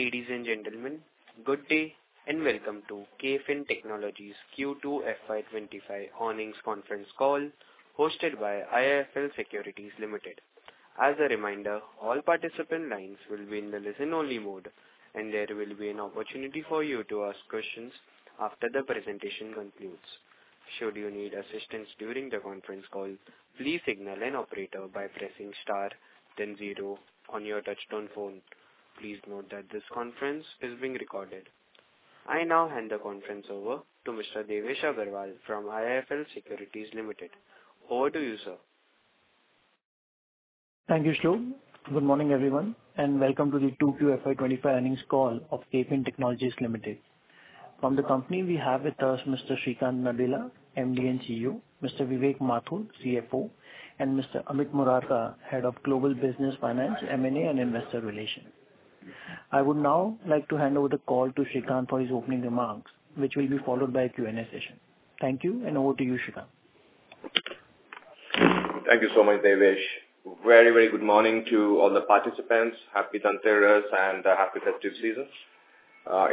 Ladies and gentlemen, good day, and welcome to KFin Technologies Q2 FY 2025 Earnings Conference Call, hosted by IIFL Securities Limited. As a reminder, all participant lines will be in the listen-only mode, and there will be an opportunity for you to ask questions after the presentation concludes. Should you need assistance during the conference call, please signal an operator by pressing star then zero on your touchtone phone. Please note that this conference is being recorded. I now hand the conference over to Mr. Devesh Agarwal from IIFL Securities Limited. Over to you, sir. Thank you, operator. Good morning, everyone, and welcome to the Q2 FY 2025 Earnings Call of KFin Technologies Limited. From the company, we have with us Mr. Sreekanth Nadella, MD and CEO, Mr. Vivek Mathur, CFO, and Mr. Amit Morarka, Head of Global Business Finance, M&A, and Investor Relations. I would now like to hand over the call to Sreekanth for his opening remarks, which will be followed by a Q&A session. Thank you, and over to you, Sreekanth. Thank you so much, Devesh. Very, very good morning to all the participants. Happy Dhanteras and happy festive season.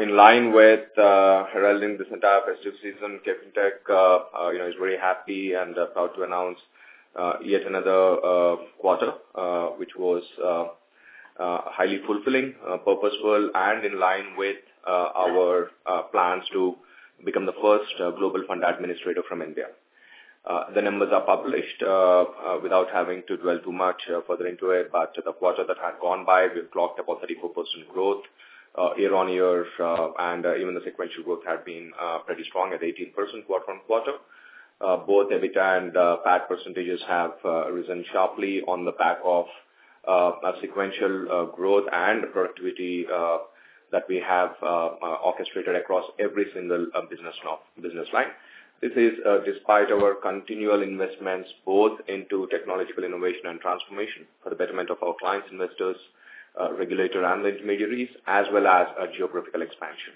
In line with heralding this entire festive season, KFintech, you know, is very happy and proud to announce yet another quarter which was highly fulfilling, purposeful, and in line with our plans to become the first global fund administrator from India. The numbers are published without having to dwell too much further into it, but the quarter that had gone by, we've clocked about 34% growth year-on-year. And even the sequential growth had been pretty strong at 18% quarter-on-quarter. Both EBITDA and PAT percentages have risen sharply on the back of a sequential growth and productivity that we have orchestrated across every single business line. This is despite our continual investments, both into technological innovation and transformation for the betterment of our clients, investors, regulator and intermediaries, as well as a geographical expansion.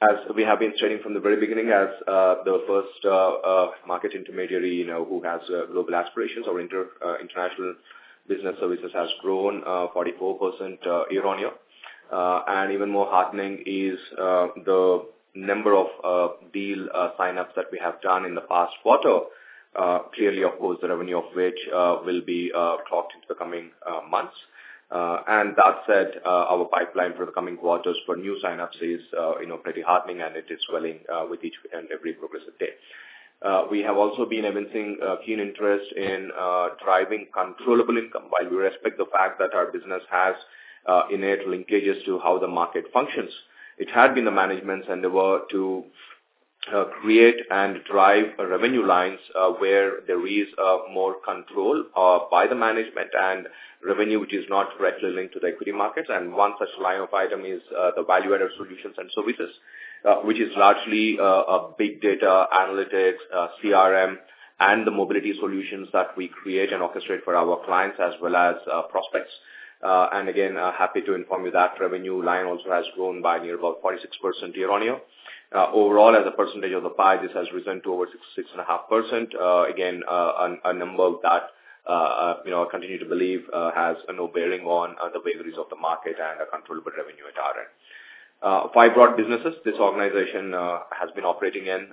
As we have been sharing from the very beginning, as the first market intermediary, you know, who has global aspirations or international business services has grown 44% year-on-year. And even more heartening is the number of deal sign-ups that we have done in the past quarter. Clearly, of course, the revenue of which will be clocked into the coming months. And that said, our pipeline for the coming quarters for new sign-ups is, you know, pretty heartening, and it is swelling with each and every progressive day. We have also been evincing keen interest in driving controllable income. While we respect the fact that our business has innate linkages to how the market functions, it had been the management's endeavor to create and drive revenue lines where there is more control by the management and revenue which is not directly linked to the equity markets. And one such line of item is the valuator solutions and services which is largely a big data analytics, CRM, and the mobility solutions that we create and orchestrate for our clients as well as prospects. And again, happy to inform you that revenue line also has grown by near about 46% year-on-year. Overall, as a percentage of the pie, this has risen to over 6, 6.5%. Again, a number that, you know, I continue to believe, has no bearing on, the vagaries of the market and a controllable revenue at our end. Five broad businesses this organization has been operating in.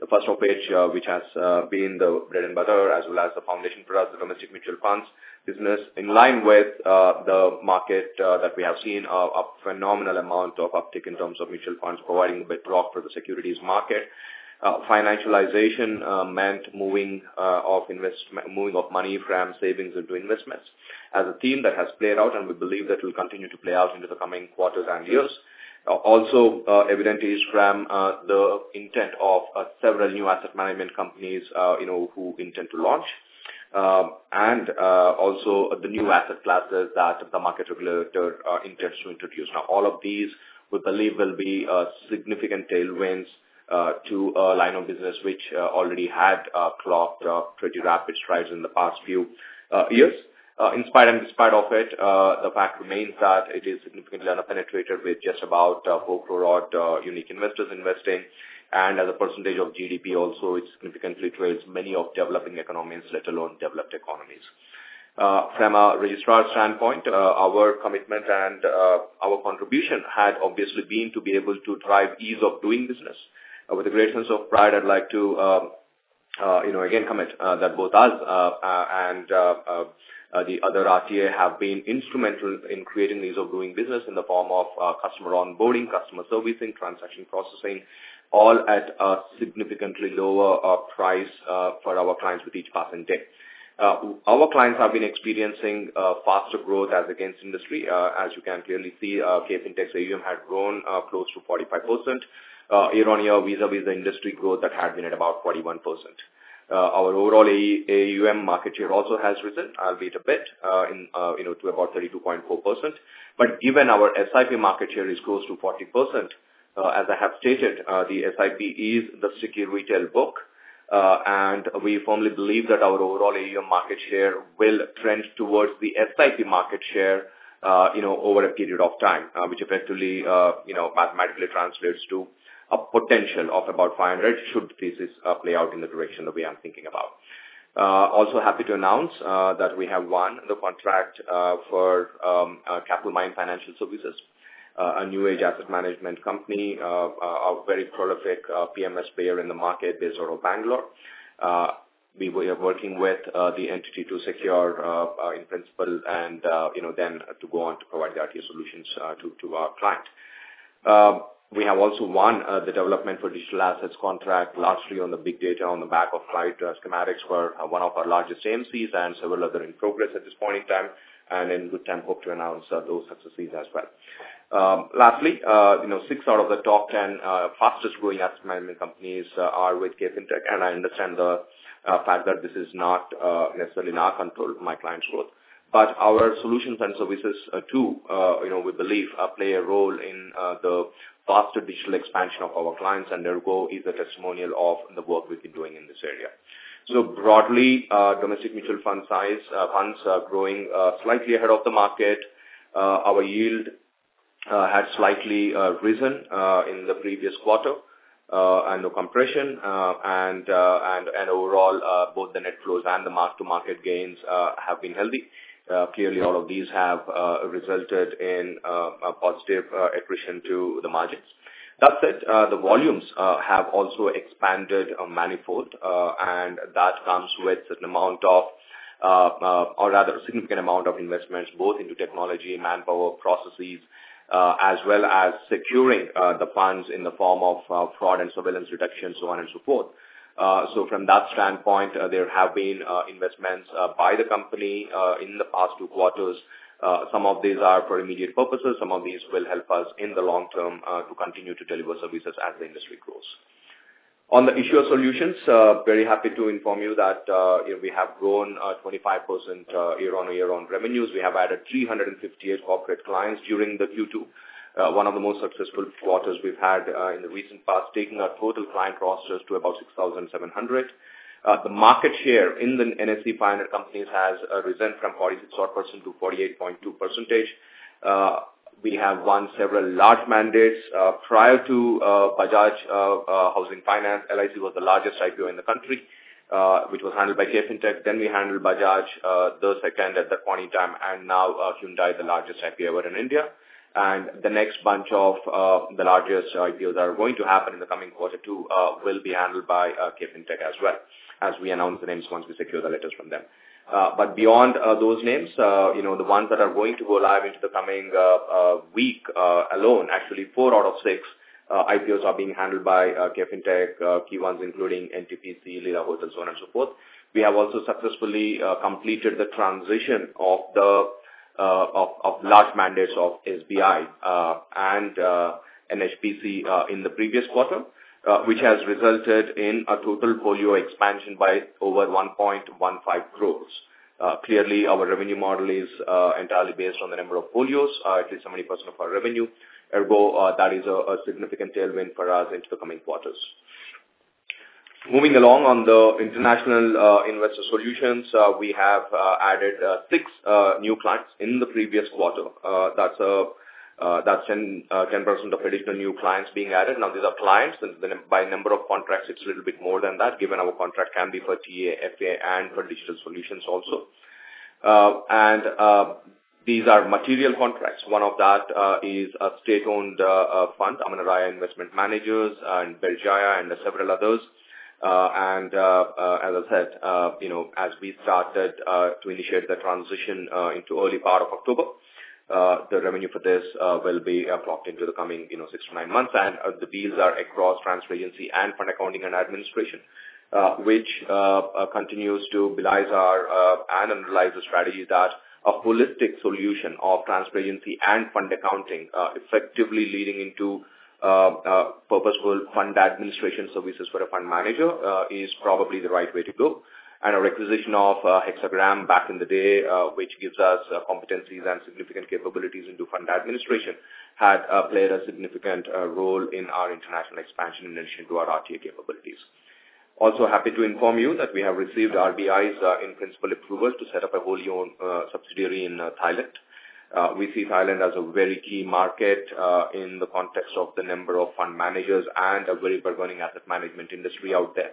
The first of which has been the bread and butter as well as the foundation for us, the domestic mutual funds business. In line with, the market that we have seen, a phenomenal amount of uptick in terms of mutual funds, providing a bit drop for the securities market. Financialization meant moving of money from savings into investments. As a theme that has played out, and we believe that will continue to play out into the coming quarters and years. Also evident is from the intent of several new asset management companies, you know, who intend to launch. And also the new asset classes that the market regulator intends to introduce. Now, all of these, we believe, will be significant tailwinds to a line of business which already had clocked pretty rapid strides in the past few years. In spite and despite of it, the fact remains that it is significantly underpenetrated with just about four crore unique investors investing. And as a percentage of GDP also, it's significantly trails many of developing economies, let alone developed economies. From a registrar standpoint, our commitment and, our contribution had obviously been to be able to drive ease of doing business. With a great sense of pride, I'd like to, you know, again, comment, that both us and the other RTA have been instrumental in creating ease of doing business in the form of, customer onboarding, customer servicing, transaction processing, all at a significantly lower, price, for our clients with each passing day. Our clients have been experiencing faster growth as against industry. As you can clearly see, KFin Technologies' AUM had grown close to 45%, year-on-year, vis-à-vis the industry growth that had been at about 41%. Our overall AUM market share also has risen a bit, you know, to about 32.4%. But given our SIP market share is close to 40%, as I have stated, the SIP is the sticky retail book. We firmly believe that our overall AUM market share will trend towards the SIP market share, you know, over a period of time. Which effectively, you know, mathematically translates to a potential of about 500, should this play out in the direction that we are thinking about. Also happy to announce that we have won the contract for Capitalmind Financial Services, a new-age asset management company, a very prolific PMS player in the market based out of Bengaluru. We were working with the entity to secure in principle and, you know, then to go on to provide the RTA solutions to our client. We have also won the development for digital assets contract, largely on the big data on the back of five schemes for one of our largest AMCs and several other in progress at this point in time, and in good time, hope to announce those successes as well. Lastly, you know, six out of the top ten fastest growing asset management companies are with KFin Technologies, and I understand the fact that this is not necessarily in our control, my client's growth. But our solutions and services, too, you know, we believe play a role in the faster digital expansion of our clients, and their goal is a testimonial of the work we've been doing in this area. So broadly, domestic mutual fund size, funds are growing slightly ahead of the market. Our yield has slightly risen in the previous quarter, and no compression. And overall, both the net flows and the mark-to-market gains have been healthy. Clearly, all of these have resulted in a positive accretion to the margins. That said, the volumes have also expanded on manifold, and that comes with a certain amount of, or rather a significant amount of investments, both into technology, manpower, processes, as well as securing the funds in the form of fraud and surveillance reduction, so on and so forth. So from that standpoint, there have been investments by the company in the past two quarters. Some of these are for immediate purposes. Some of these will help us in the long term to continue to deliver services as the industry grows. On the Issuer Solutions, very happy to inform you that we have grown 25% year-on-year on revenues. We have added 358 corporate clients during the Q2, one of the most successful quarters we've had in the recent past, taking our total client rosters to about 6,700. The market share in the NSE Pioneer companies has risen from 46 odd% to 48.2%. We have won several large mandates. Prior to Bajaj Housing Finance, LIC was the largest IPO in the country, which was handled by KFin Technologies. Then we handled Bajaj, the second at that point in time, and now Hyundai, the largest IPO ever in India. The next bunch of the largest IPOs that are going to happen in the coming quarter, too, will be handled by KFin Technologies as well, as we announce the names once we secure the letters from them. But beyond those names, you know, the ones that are going to go live into the coming week alone, actually, four out of six IPOs are being handled by KFin Technologies, key ones, including NTPC, The Leela, so on and so forth. We have also successfully completed the transition of the large mandates of SBI and NHPC in the previous quarter, which has resulted in a total folio expansion by over 1.15 crores. Clearly, our revenue model is entirely based on the number of folios, at least 70% of our revenue. Ergo, that is a significant tailwind for us into the coming quarters. Moving along on the international investor solutions, we have added six new clients in the previous quarter. That's 10% of additional new clients being added. Now, these are clients, and then by number of contracts, it's a little bit more than that, given our contract can be for TA, FA, and for digital solutions also. And these are material contracts. One of that is a state-owned fund, AmanahRaya Investment Management and Berjaya and several others. And as I said, you know, as we started to initiate the transition into early part of October, the revenue for this will be locked into the coming, you know, six-to-nine months. And, the deals are across transfer agency and fund accounting and administration, which continues to belies our and underlies the strategy that a holistic solution of transfer agency and fund accounting effectively leading into purposeful fund administration services for a fund manager is probably the right way to go. And our acquisition of Hexagram back in the day, which gives us competencies and significant capabilities into fund administration, had played a significant role in our international expansion in addition to our RTA capabilities. Also happy to inform you that we have received RBI's in-principle approval to set up a wholly owned subsidiary in Thailand. We see Thailand as a very key market in the context of the number of fund managers and a very burgeoning asset management industry out there.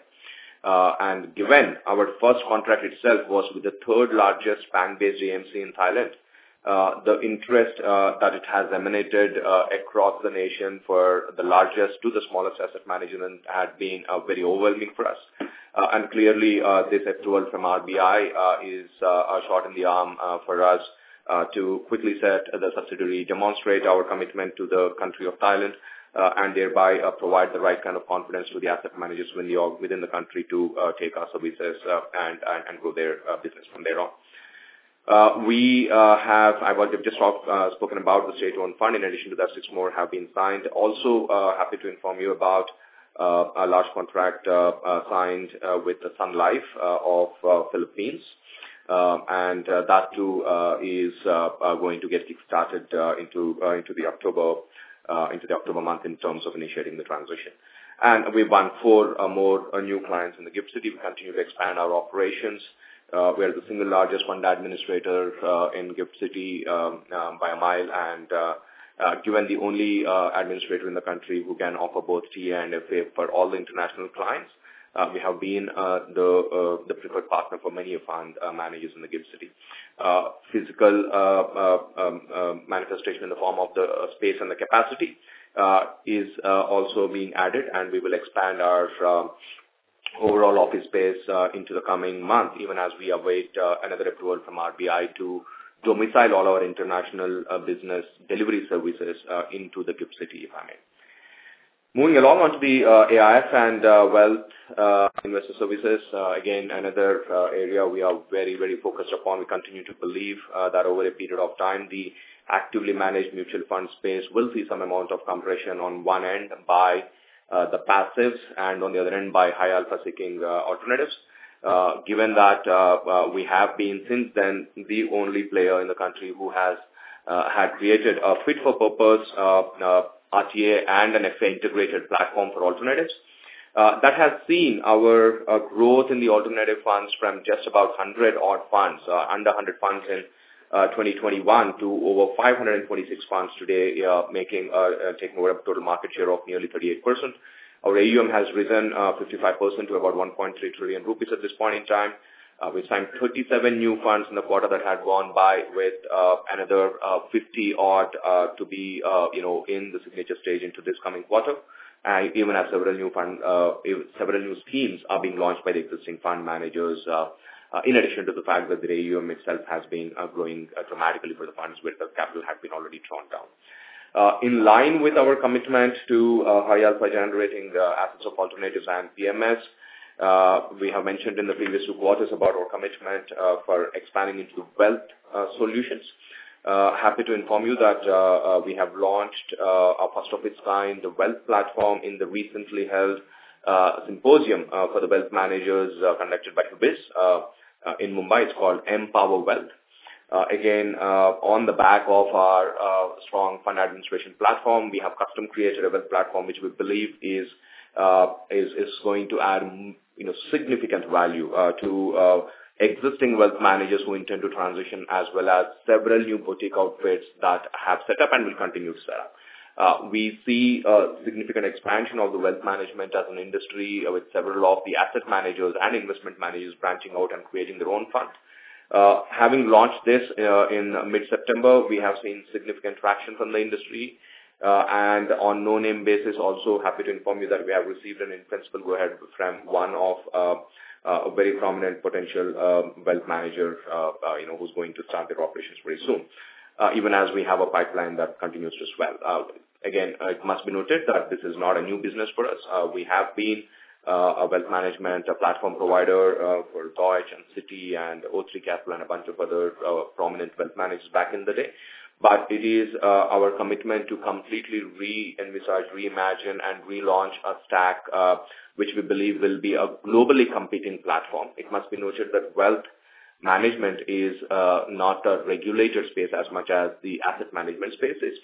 Given our first contract itself was with the third-largest bank-based AMC in Thailand, the interest that it has emanated across the nation for the largest to the smallest asset managers had been very overwhelming for us. Clearly, this approval from RBI is a shot in the arm for us to quickly set the subsidiary, demonstrate our commitment to the country of Thailand, and thereby provide the right kind of confidence to the asset managers when you're within the country to take our services and grow their business from there on. I've just spoken about the state-owned fund. In addition to that, six more have been signed. Also, happy to inform you about a large contract signed with Sun Life Philippines. And that, too, is going to get started into the October month in terms of initiating the transition. And we've won four more new clients in GIFT City. We continue to expand our operations. We are the single largest fund administrator in GIFT City by a mile. And given the only administrator in the country who can offer both TA and FA for all the international clients, we have been the preferred partner for many fund managers in GIFT City. Physical manifestation in the form of the space and the capacity is also being added, and we will expand our overall office space into the coming month, even as we await another approval from RBI to domicile all our international business delivery services into the GIFT City if I may. Moving along on to the AIF and wealth investor services. Again, another area we are very, very focused upon. We continue to believe that over a period of time, the actively managed mutual fund space will see some amount of compression on one end by the passives, and on the other end, by high alpha-seeking alternatives. Given that, we have been since then the only player in the country who has had created a fit for purpose RTA and an integrated platform for alternatives. That has seen our growth in the alternative funds from just about 100-odd funds, under 100 funds in 2021 to over 526 funds today, making taking over a total market share of nearly 38%. Our AUM has risen 55% to about 1.3 trillion rupees at this point in time. We've signed 37 new funds in the quarter that had gone by, with another 50-odd to be, you know, in the signature stage into this coming quarter. Even as several new schemes are being launched by the existing fund managers, in addition to the fact that the AUM itself has been growing dramatically for the funds where the capital had been already drawn down. In line with our commitment to high alpha generating assets of alternatives and PMS, we have mentioned in the previous quarters about our commitment for expanding into wealth solutions. Happy to inform you that we have launched a first of its kind, the wealth platform, in the recently held symposium for the wealth managers conducted by UBS in Mumbai. It's called mPower Wealth. Again, on the back of our strong fund administration platform, we have custom created a wealth platform, which we believe is going to add, you know, significant value to existing wealth managers who intend to transition, as well as several new boutique outfits that have set up and will continue to set up. We see a significant expansion of the wealth management as an industry, with several of the asset managers and investment managers branching out and creating their own funds. Having launched this in mid-September, we have seen significant traction from the industry, and on a no-name basis, also happy to inform you that we have received an in-principle go-ahead from one of a very prominent potential wealth manager, you know, who's going to start their operations very soon. Even as we have a pipeline that continues to swell. Again, it must be noted that this is not a new business for us. We have been a wealth management platform provider for Deutsche Bank and Citibank and o3 Capital, and a bunch of other prominent wealth managers back in the day. But it is our commitment to completely re-envisage, reimagine, and relaunch a stack which we believe will be a globally competing platform. It must be noted that wealth management is not a regulated space as much as the asset management space is.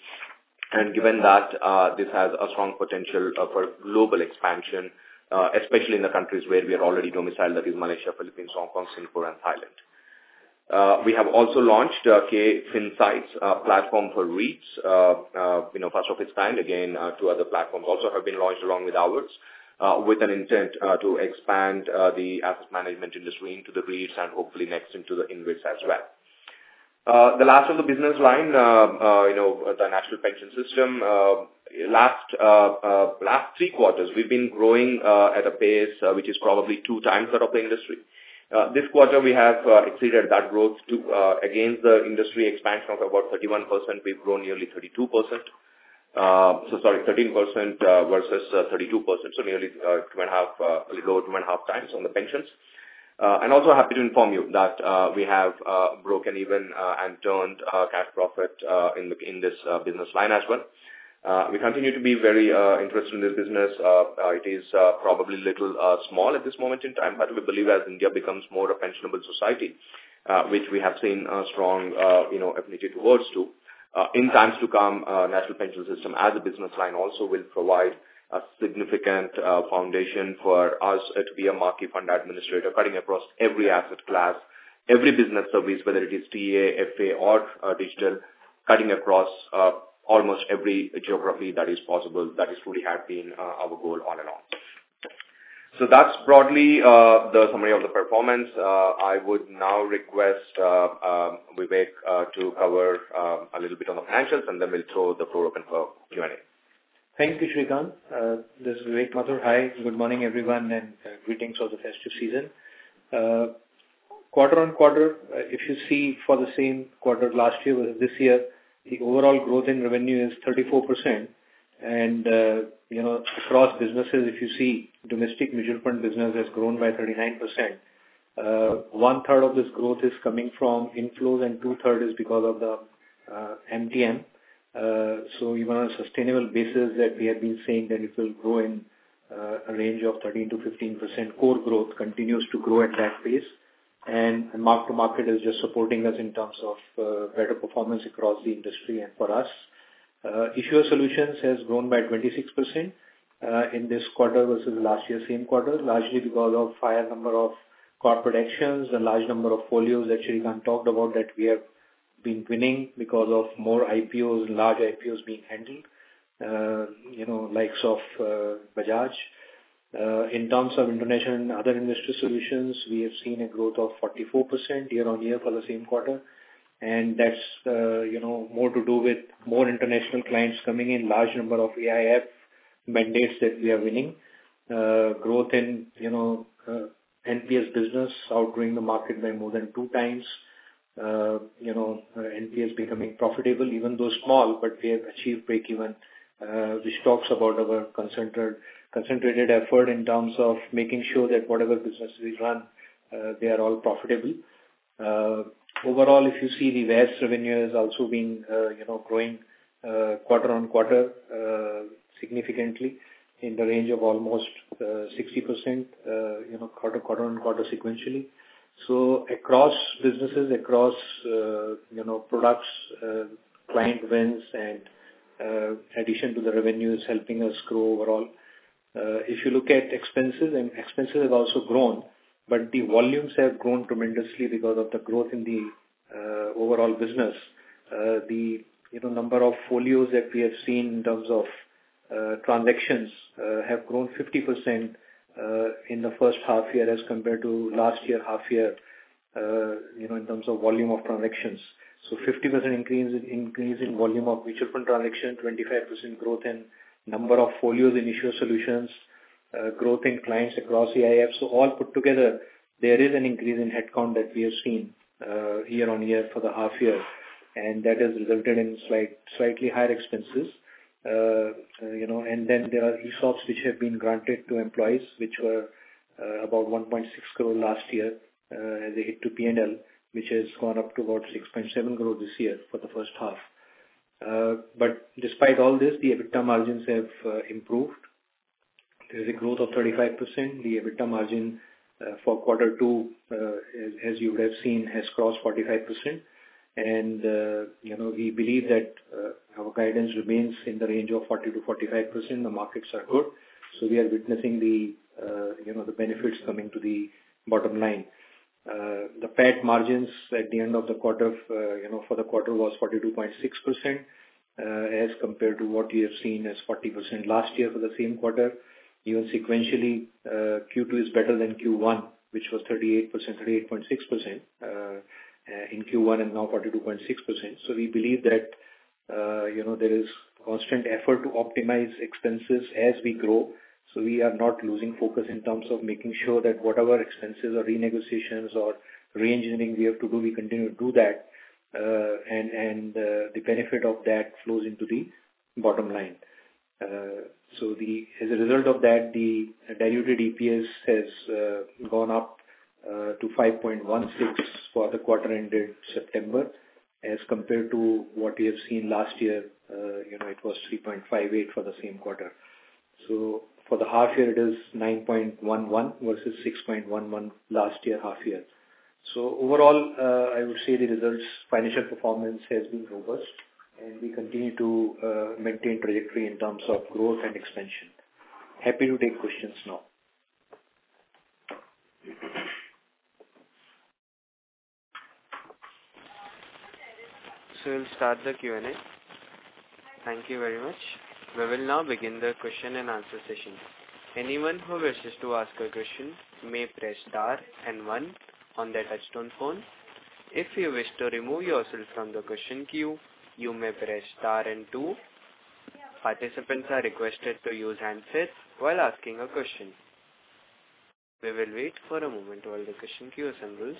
Given that, this has a strong potential for global expansion, especially in the countries where we are already domiciled. That is Malaysia, Philippines, Hong Kong, Singapore, and Thailand. We have also launched KFin XAlt's platform for REITs. You know, first of its kind, again, two other platforms also have been launched along with ours. With an intent to expand the asset management industry into the REITs and hopefully next into the InvITs as well. The last of the business line, you know, the National Pension System. Last three quarters, we've been growing at a pace which is probably two times that of the industry. This quarter, we have exceeded that growth to against the industry expansion of about 31%. We've grown nearly 32%. So sorry, 13% versus 32%. So nearly two and a half, little over two and a half times on the pensions. And also happy to inform you that we have broken even and turned cash profit in this business line as well. We continue to be very interested in this business. It is probably little small at this moment in time, but we believe as India becomes more a pensionable society, which we have seen a strong, you know, affinity towards to. In times to come, National Pension System as a business line also will provide a significant foundation for us to be a market fund administrator, cutting across every asset class, every business service, whether it is TA, FA, or digital. Cutting across almost every geography that is possible. That is truly has been our goal all along. So that's broadly the summary of the performance. I would now request, Vivek, to cover a little bit on the financials, and then we'll throw the floor open for Q&A. Thank you, Sreekanth. This is Vivek Mathur. Hi, good morning, everyone, and greetings for the festive season. Quarter on quarter, if you see for the same quarter last year with this year, the overall growth in revenue is 34%. And, you know, across businesses, if you see domestic mutual fund business has grown by 39%. One third of this growth is coming from inflows, and two-third is because of the MTM. So even on a sustainable basis that we have been saying that it will grow in a range of 13%-15%, core growth continues to grow at that pace. And mark-to-market is just supporting us in terms of better performance across the industry and for us. Issuer solutions has grown by 26% in this quarter versus last year's same quarter, largely because of higher number of corporate actions, a large number of folios that Sreekanth talked about that we have been winning because of more IPOs, large IPOs being handled, you know, likes of Bajaj. In terms of international and other industry solutions, we have seen a growth of 44% year-on-year for the same quarter, and that's, you know, more to do with more international clients coming in, large number of AIF mandates that we are winning. Growth in, you know, NPS business outgrowing the market by more than two times. You know, NPS becoming profitable, even though small, but we have achieved breakeven, which talks about our concentrated effort in terms of making sure that whatever businesses we run, they are all profitable. Overall, if you see the various revenues also being, you know, growing quarter on quarter significantly in the range of almost 60%, you know, quarter on quarter sequentially. So across businesses, across products, client wins and addition to the revenue is helping us grow overall. If you look at expenses, and expenses have also grown, but the volumes have grown tremendously because of the growth in the overall business. You know, the number of folios that we have seen in terms of transactions have grown 50% in the first half year as compared to last year half year, you know, in terms of volume of transactions. So 50% increase in volume of mutual fund transaction, 25% growth in number of folios in Issuer Solutions, growth in clients across AIF. So all put together, there is an increase in headcount that we have seen year on year for the half year, and that has resulted in slightly higher expenses. You know, and then there are ESOPs which have been granted to employees, which were about 1.6 crore last year. They hit to P&L, which has gone up to about 6.7 crore this year for the first half. But despite all this, the EBITDA margins have improved. There is a growth of 35%. The EBITDA margin for quarter two, as you would have seen, has crossed 45%. And, you know, we believe that our guidance remains in the range of 40%-45%. The markets are good, so we are witnessing the, you know, the benefits coming to the bottom line. The PAT margins at the end of the quarter, you know, for the quarter was 42.6%, as compared to what we have seen as 40% last year for the same quarter. Even sequentially, Q2 is better than Q1, which was 38%, 38.6% in Q1 and now 42.6%. We believe that, you know, there is constant effort to optimize expenses as we grow. We are not losing focus in terms of making sure that whatever expenses or renegotiations or reengineering we have to do, we continue to do that. And the benefit of that flows into the bottom line. As a result of that, the diluted EPS has gone up to 5.16 for the quarter ended September, as compared to what we have seen last year, you know, it was 3.58 for the same quarter. For the half year, it is 9.11 versus 6.11 last year, half year. Overall, I would say the results, financial performance has been robust, and we continue to maintain trajectory in terms of growth and expansion. Happy to take questions now. So we'll start the Q&A. Thank you very much. We will now begin the question and answer session. Anyone who wishes to ask a question may press star and one on their touchtone phone. If you wish to remove yourself from the question queue, you may press star and two. Participants are requested to use handsets while asking a question. We will wait for a moment while the question queue assembles.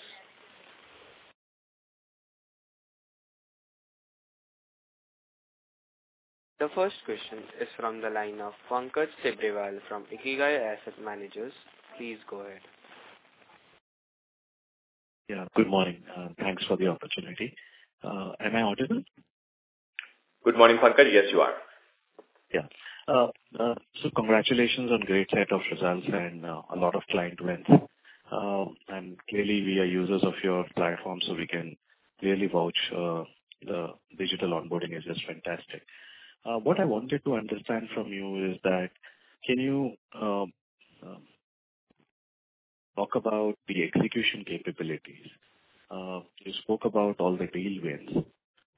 The first question is from the line of Pankaj Tibrewal from Ikigai Asset Managers. Please go ahead. Yeah, good morning. Thanks for the opportunity. Am I audible? Good morning, Pankaj. Yes, you are. Yeah. So congratulations on great set of results and a lot of client wins. And clearly, we are users of your platform, so we can really vouch the digital onboarding is just fantastic. What I wanted to understand from you is that, can you talk about the execution capabilities? You spoke about all the deal wins,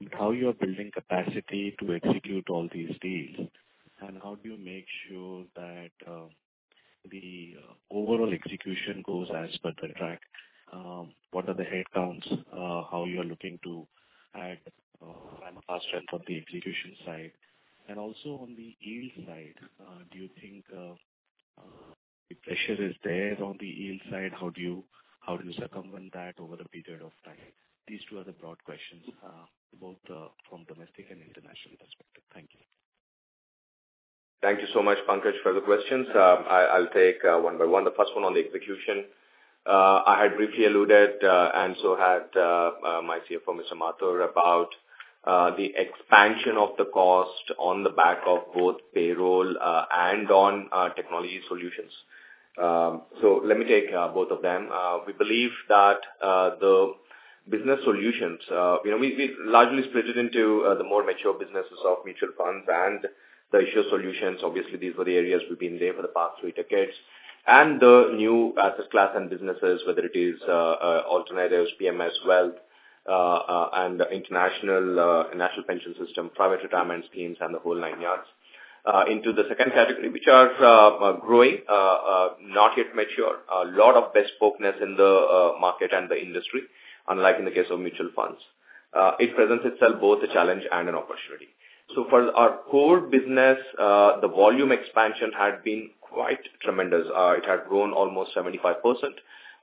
but how you are building capacity to execute all these deals, and how do you make sure that the overall execution goes as per the track? What are the headcounts? How you are looking to add manpower strength from the execution side? And also on the yield side, do you think the pressure is there on the yield side? How do you circumvent that over a period of time? These two are the broad questions, both from domestic and international perspective. Thank you. Thank you so much, Pankaj, for the questions. I, I'll take one by one. The first one on the execution. I had briefly alluded, and so had my CFO, Mr. Mathur, about the expansion of the cost on the back of both payroll and on technology solutions.... so let me take both of them. We believe that the business solutions, you know, we largely split it into the more mature businesses of mutual funds and the Issuer Solutions. Obviously, these were the areas we've been there for the past three decades, and the new asset class and businesses, whether it is alternatives, PMS, wealth, and international National Pension System, private retirement schemes, and the whole nine yards. Into the second category, which are growing, not yet mature. A lot of bespokeness in the market and the industry, unlike in the case of mutual funds. It presents itself both a challenge and an opportunity. So for our core business, the volume expansion had been quite tremendous. It had grown almost 75%.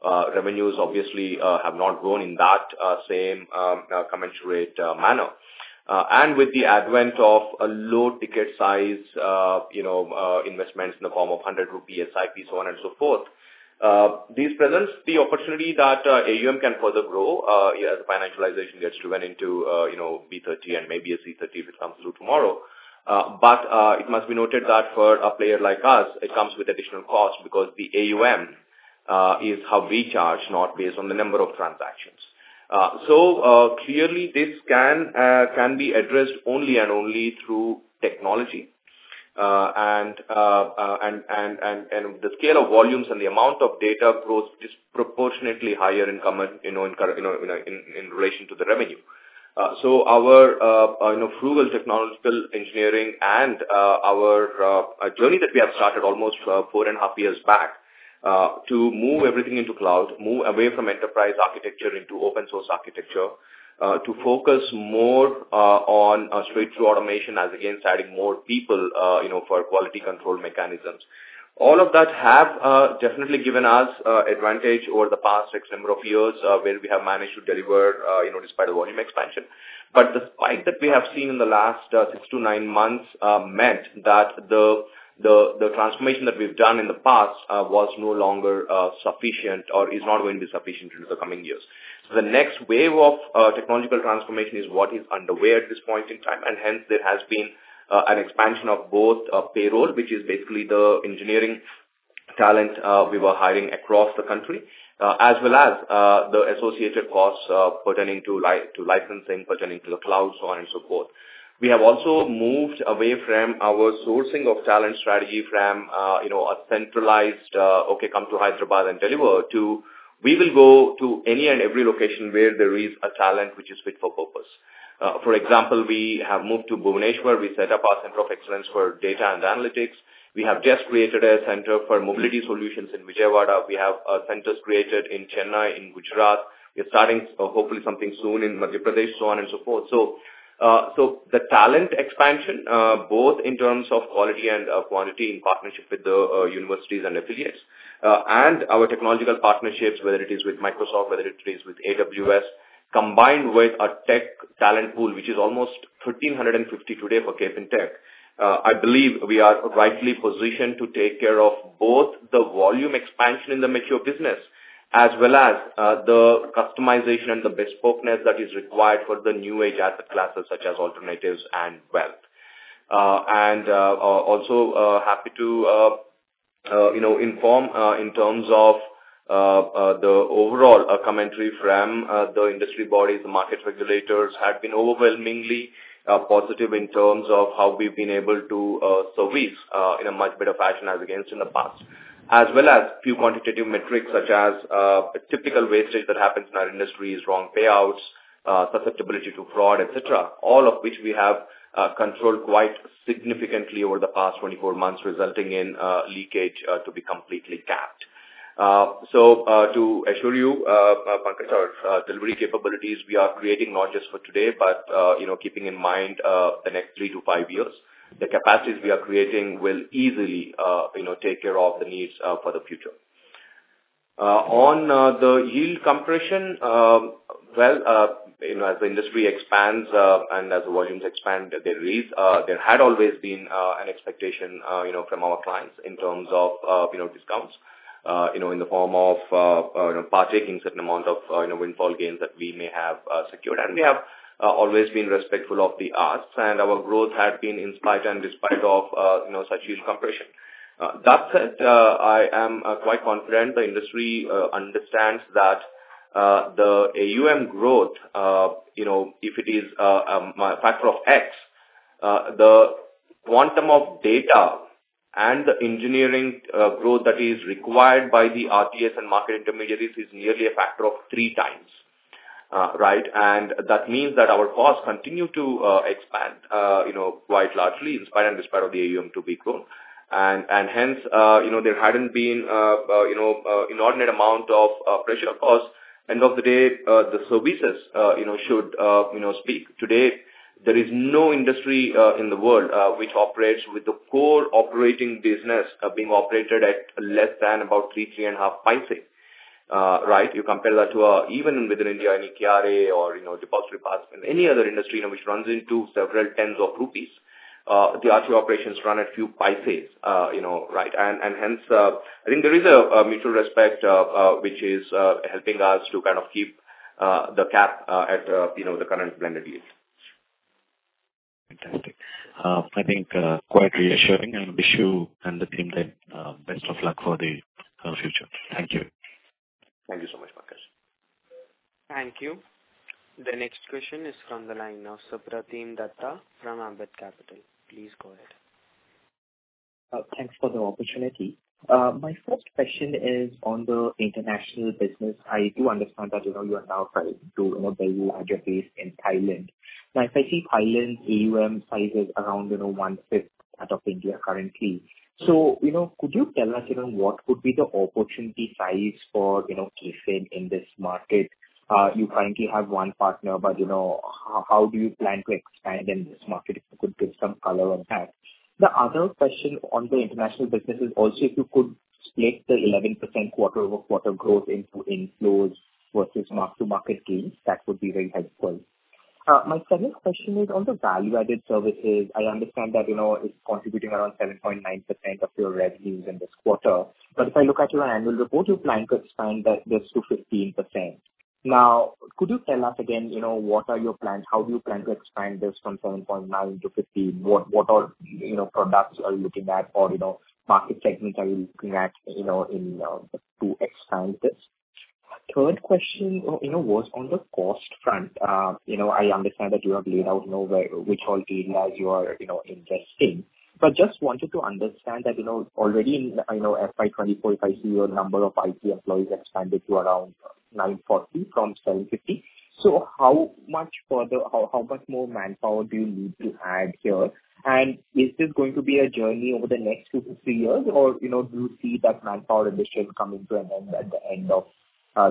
Revenues obviously have not grown in that same commensurate manner, and with the advent of a low-ticket size, you know, investments in the form of 100 rupees SIP, so on and so forth, this presents the opportunity that AUM can further grow, as financialization gets driven into, you know, B30 and maybe a C30 if it comes through tomorrow, but it must be noted that for a player like us, it comes with additional cost because the AUM is how we charge, not based on the number of transactions, so clearly this can be addressed only and only through technology. And the scale of volumes and the amount of data grows disproportionately higher in comparison, you know, in current, you know, in relation to the revenue. So our, you know, frugal technological engineering and, our, journey that we have started almost, four and a half years back, to move everything into cloud, move away from enterprise architecture into open source architecture, to focus more, on, straight-through automation as against adding more people, you know, for quality control mechanisms. All of that have definitely given us advantage over the past X number of years, where we have managed to deliver, you know, despite the volume expansion. But the spike that we have seen in the last six-to-nine months meant that the transformation that we've done in the past was no longer sufficient or is not going to be sufficient in the coming years. So the next wave of technological transformation is what is underway at this point in time, and hence there has been an expansion of both payroll, which is basically the engineering talent we were hiring across the country, as well as the associated costs pertaining to licensing, pertaining to the cloud, so on and so forth. We have also moved away from our sourcing of talent strategy from, you know, a centralized, okay, come to Hyderabad and deliver, to we will go to any and every location where there is a talent which is fit for purpose. For example, we have moved to Bhubaneswar. We set up our center of excellence for data and analytics. We have just created a center for mobility solutions in Vijayawada. We have centers created in Chennai, in Gujarat. We're starting hopefully something soon in Madhya Pradesh, so on and so forth. The talent expansion both in terms of quality and quantity in partnership with the universities and affiliates and our technological partnerships whether it is with Microsoft whether it is with AWS combined with our tech talent pool which is almost 1,350 today for KFintech. I believe we are rightly positioned to take care of both the volume expansion in the mature business as well as the customization and the bespokeness that is required for the new age asset classes such as alternatives and wealth. Also, happy to, you know, inform in terms of the overall commentary from the industry bodies, the market regulators have been overwhelmingly positive in terms of how we've been able to service in a much better fashion as against in the past. As well as few quantitative metrics, such as a typical wastage that happens in our industry is wrong payouts, susceptibility to fraud, et cetera, all of which we have controlled quite significantly over the past twenty-four months, resulting in leakage to be completely capped. So, to assure you markets our delivery capabilities, we are creating not just for today, but, you know, keeping in mind the next three to five years. The capacities we are creating will easily, you know, take care of the needs for the future. On the yield compression, well, you know, as the industry expands and as the volumes expand, there had always been an expectation, you know, from our clients in terms of, you know, discounts, you know, in the form of, you know, partaking certain amount of, you know, windfall gains that we may have secured. And we have always been respectful of the ask, and our growth had been in spite and despite of, you know, such yield compression. That said, I am quite confident the industry understands that the AUM growth, you know, if it is a factor of X, the quantum of data and the engineering growth that is required by the RTAs and market intermediaries is nearly a factor of three times, right? And that means that our costs continue to expand, you know, quite largely, in spite and despite of the AUM to be grown. And hence, you know, there hadn't been an inordinate amount of pressure of course. End of the day, the services, you know, should speak. Today, there is no industry in the world which operates with the core operating business being operated at less than about three, three and a half paise, right? You compare that to even within India, a KRA or, you know, depository participant, any other industry, you know, which runs into several tens of rupees. The RTA operations run at few paise, you know, right? And hence, I think there is a mutual respect which is helping us to kind of keep the cap at, you know, the current blended use.... Fantastic. I think quite reassuring, and wish you and the team then best of luck for the future. Thank you. Thank you so much, Mukesh. Thank you. The next question is from the line of Supratim Datta from Ambit Capital. Please go ahead. Thanks for the opportunity. My first question is on the international business. I do understand that, you know, you are now trying to build a larger base in Thailand. Now, if I see Thailand, AUM size is around, you know, one-fifth that of India currently. So, you know, could you tell us, you know, what could be the opportunity size for, you know, KFin in this market? You currently have one partner, but, you know, how do you plan to expand in this market? If you could give some color on that. The other question on the international business is also if you could split the 11% quarter-over-quarter growth into inflows versus mark-to-market gains, that would be very helpful. My second question is on the value-added services. I understand that, you know, it's contributing around 7.9% of your revenues in this quarter. But if I look at your annual report, you plan to expand that, this to 15%. Now, could you tell us again, you know, what are your plans? How do you plan to expand this from 7.9%-15%? What, what are, you know, products are you looking at or, you know, market segments are you looking at, you know, in to expand this? Third question, you know, was on the cost front. You know, I understand that you have laid out, you know, where, which all areas you are, you know, investing. But just wanted to understand that, you know, already in, you know, FY 2024, if I see your number of IT employees expanded to around 940 from 750. How much more manpower do you need to add here? And is this going to be a journey over the next two to three years? Or, you know, do you see that manpower addition coming to an end at the end of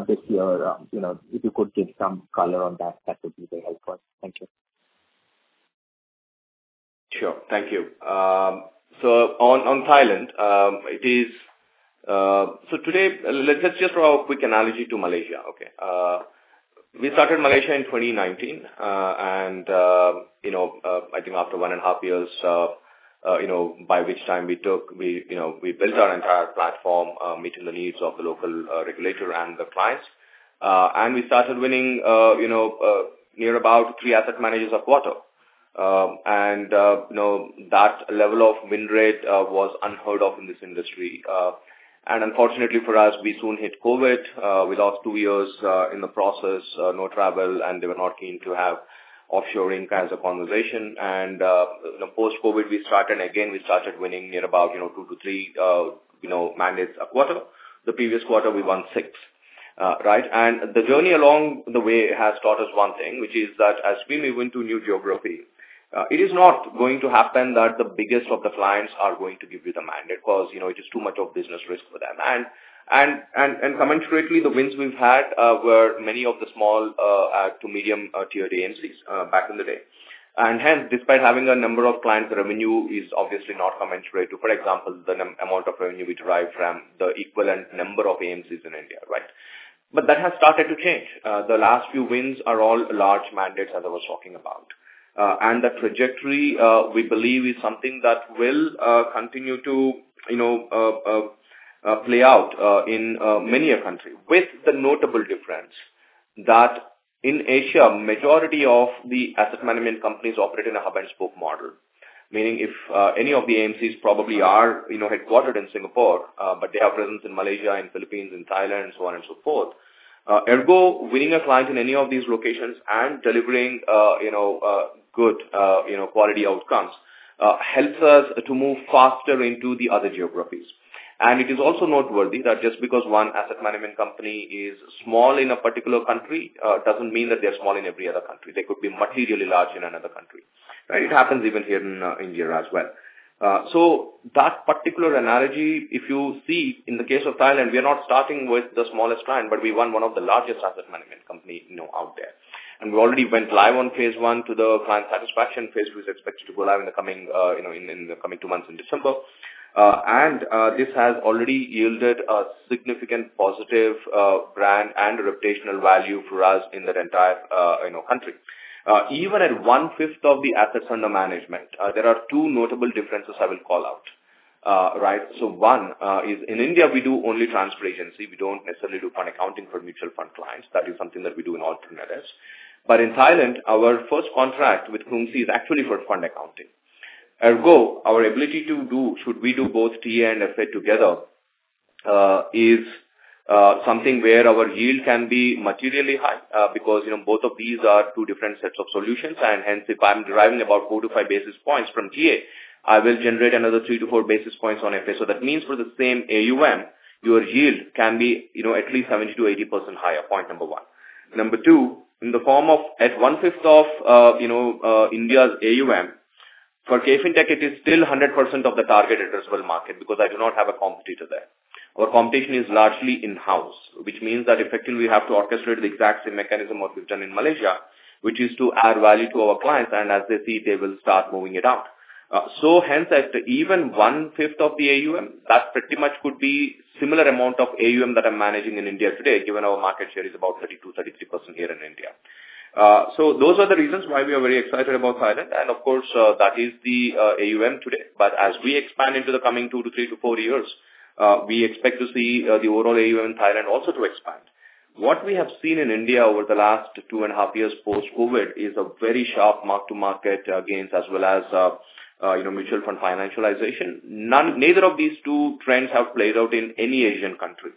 this year? You know, if you could give some color on that, that would be very helpful. Thank you. Sure. Thank you. So on Thailand, it is. So today, let's just draw a quick analogy to Malaysia, okay? We started Malaysia in 2019, and you know, I think after one and a half years, you know, by which time we built our entire platform, meeting the needs of the local regulator and the clients. And we started winning, you know, near about three asset managers a quarter. And you know, that level of win rate was unheard of in this industry. And unfortunately for us, we soon hit COVID, we lost two years in the process, no travel, and they were not keen to have offshoring kinds of conversation. And, you know, post-COVID, we started again, we started winning near about, you know, two to three, you know, mandates a quarter. The previous quarter, we won six. Right? And the journey along the way has taught us one thing, which is that as we move into new geography, it is not going to happen, that the biggest of the clients are going to give you the mandate. Because, you know, it is too much of business risk for them. And commensurately, the wins we've had, were many of the small to medium tier AMCs, back in the day. And hence, despite having a number of clients, the revenue is obviously not commensurate to, for example, the amount of revenue we derive from the equivalent number of AMCs in India, right? But that has started to change. The last few wins are all large mandates, as I was talking about. And the trajectory, we believe is something that will continue to, you know, play out in many a country. With the notable difference, that in Asia, majority of the asset management companies operate in a hub-and-spoke model. Meaning, if any of the AMCs probably are, you know, headquartered in Singapore, but they have presence in Malaysia and Philippines and Thailand, so on and so forth. Ergo, winning a client in any of these locations and delivering, you know, good, you know, quality outcomes helps us to move faster into the other geographies. And it is also noteworthy that just because one asset management company is small in a particular country, doesn't mean that they are small in every other country. They could be materially large in another country. Right? It happens even here in India as well. So that particular analogy, if you see in the case of Thailand, we are not starting with the smallest client, but we won one of the largest asset management company, you know, out there. And we already went live on phase one to the client satisfaction. Phase two is expected to go live in the coming two months in December. And this has already yielded a significant positive brand and reputational value for us in that entire, you know, country. Even at one-fifth of the assets under management, there are two notable differences I will call out. Right? So one is in India, we do only transfer agency. We don't necessarily do fund accounting for mutual fund clients. That is something that we do in alternatives. But in Thailand, our first contract with Krungsri is actually for fund accounting. Ergo, our ability to do, should we do both TA and FA together, is, something where our yield can be materially high, because, you know, both of these are two different sets of solutions, and hence, if I'm deriving about four to five basis points from TA, I will generate another three to four basis points on FA. So that means for the same AUM, your yield can be, you know, at least 70%-80% higher. Point number one. Number two, in the form of, at one-fifth of, India's AUM, for KFintech, it is still 100% of the target addressable market, because I do not have a competitor there. Our competition is largely in-house, which means that effectively we have to orchestrate the exact same mechanism what we've done in Malaysia, which is to add value to our clients, and as they see, they will start moving it out. So hence, as to even one-fifth of the AUM, that pretty much could be similar amount of AUM that I'm managing in India today, given our market share is about 32%-33% here in India. So those are the reasons why we are very excited about Thailand, and of course, that is the AUM today. But as we expand into the coming two to three to four years, we expect to see the overall AUM in Thailand also to expand. What we have seen in India over the last two and a half years post-COVID is a very sharp mark-to-market gains as well as you know mutual fund financialization. Neither of these two trends have played out in any Asian country.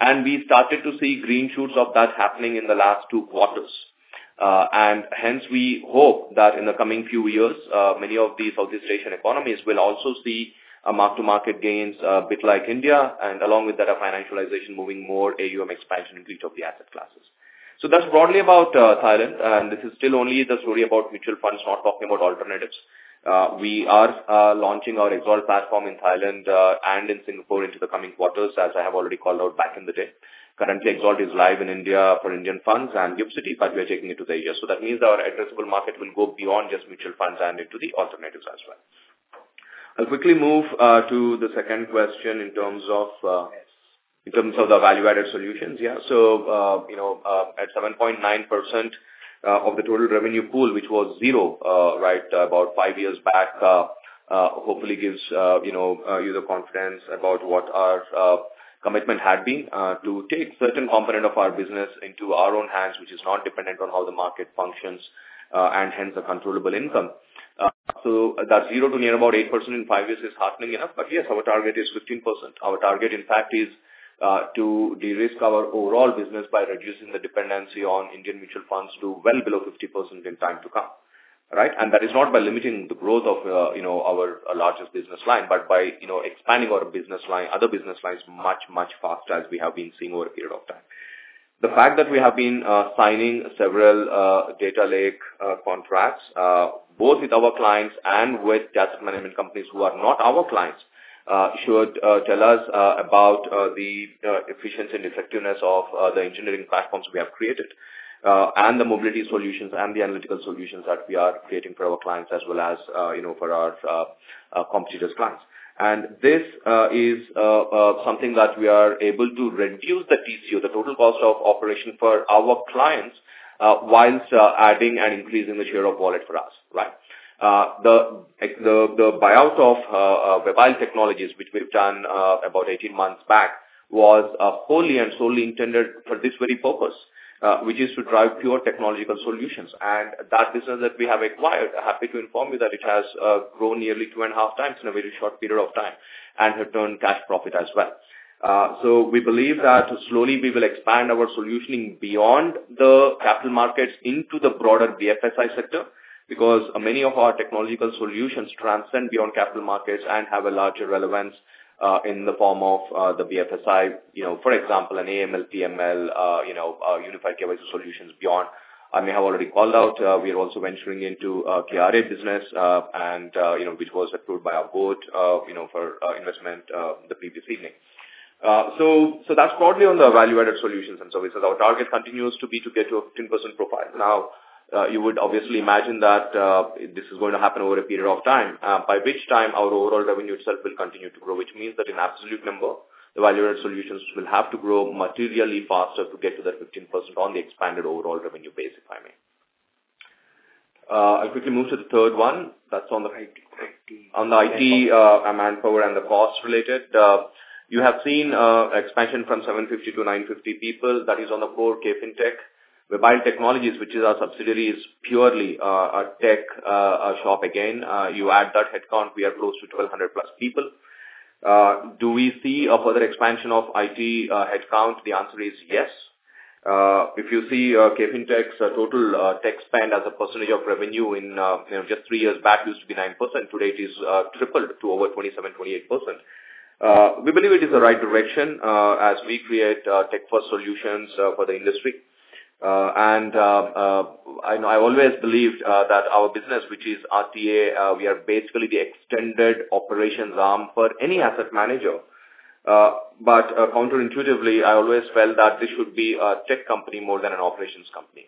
And we started to see green shoots of that happening in the last two quarters. And hence we hope that in the coming few years many of these Southeast Asian economies will also see a mark-to-market gains a bit like India and along with that a financialization moving more AUM expansion in each of the asset classes. So that's broadly about Thailand and this is still only the story about mutual funds not talking about alternatives. We are launching our XAlt platform in Thailand and in Singapore in the coming quarters, as I have already called out back in the day. Currently, XAlt is live in India for Indian funds and PMS, but we are taking it to Asia. So that means our addressable market will go beyond just mutual funds and into the alternatives as well. I'll quickly move to the second question in terms of the value-added solutions. Yeah. You know, at 7.9% of the total revenue pool, which was zero, right, about five years back, hopefully gives you know, you the confidence about what our commitment had been to take certain component of our business into our own hands, which is not dependent on how the market functions, and hence a controllable income. So that zero to near about 8% in five years is heartening enough, but yes, our target is 15%. Our target, in fact, is to de-risk our overall business by reducing the dependency on Indian mutual funds to well below 50% in time to come, right? And that is not by limiting the growth of, you know, our largest business line, but by, you know, expanding our business line, other business lines much, much faster as we have been seeing over a period of time. The fact that we have been signing several data lake contracts both with our clients and with asset management companies who are not our clients should tell us about the efficiency and effectiveness of the engineering platforms we have created and the mobility solutions, and the analytical solutions that we are creating for our clients as well as, you know, for our competitors' clients. And this is something that we are able to reduce the TCO, the total cost of ownership for our clients, while adding and increasing the share of wallet for us, right? The buyout of Webile Technologies, which we've done about 18 months back, was wholly and solely intended for this very purpose, which is to drive pure technological solutions. And that business that we have acquired, I'm happy to inform you that it has grown nearly two and a half times in a very short period of time and has turned cash profit as well. So we believe that slowly we will expand our solutioning beyond the capital markets into the broader BFSI sector, because many of our technological solutions transcend beyond capital markets and have a larger relevance, in the form of, the BFSI. You know, for example, an AML, PML, you know, unified gateway solutions beyond. I may have already called out, we are also venturing into, KRA business, and, you know, which was approved by our board, you know, for, investment, the previous evening. So that's broadly on the value-added solutions and services. Our target continues to be to get to a 15% profile. Now, you would obviously imagine that, this is going to happen over a period of time, by which time our overall revenue itself will continue to grow, which means that in absolute number, the value-added solutions will have to grow materially faster to get to that 15% on the expanded overall revenue base, if I may. I'll quickly move to the third one. That's on the IT, manpower and the cost related. You have seen expansion from 750 to 950 people. That is on the core KFintech. Webile Technologies, which is our subsidiary, is purely a tech shop again. You add that headcount, we are close to 1,200+ people. Do we see a further expansion of IT headcount? The answer is yes. If you see, KFintech's total tech spend as a percentage of revenue in, you know, just three years back, used to be 9%. Today, it is tripled to over 27%-28%. We believe it is the right direction, as we create tech-first solutions for the industry. And I always believed that our business, which is RTA, we are basically the extended operations arm for any asset manager. But counterintuitively, I always felt that this should be a tech company more than an operations company.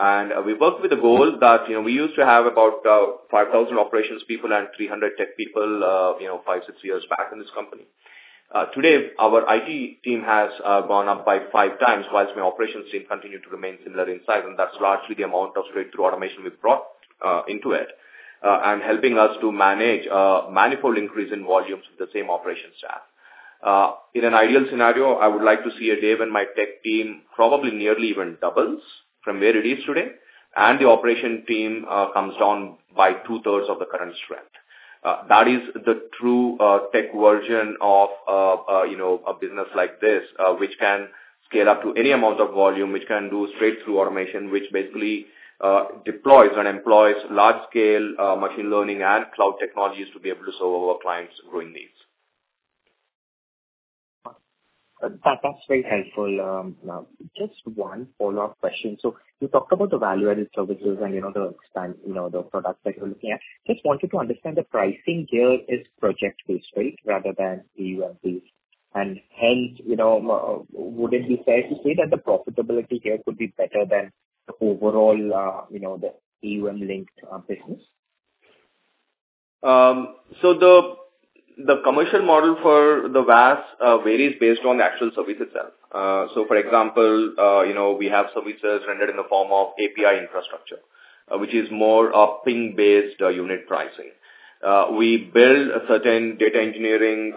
And we worked with the goal that, you know, we used to have about 5,000 operations people and 300 tech people, you know, five to six years back in this company. Today, our IT team has gone up by five times, while my operations team continued to remain similar in size, and that's largely the amount of straight-through automation we've brought into it, and helping us to manage manifold increase in volumes with the same operation staff. In an ideal scenario, I would like to see a day when my tech team probably nearly even doubles from where it is today, and the operation team comes down by two-thirds of the current strength. That is the true tech version of, you know, a business like this, which can scale up to any amount of volume, which can do straight-through automation, which basically deploys and employs large-scale machine learning and cloud technologies to be able to solve our clients' growing needs. That's very helpful now. Just one follow-up question. So you talked about the value-added services and, you know, the expand, you know, the products that you're looking at. Just wanted to understand the pricing here is project-based, right? Rather than AUM based. And hence, you know, would it be fair to say that the profitability here could be better than the overall, you know, the AUM-linked business? So the commercial model for the VAS varies based on the actual service itself. For example, you know, we have services rendered in the form of API infrastructure, which is more a ping-based unit pricing. We build a certain data engineering,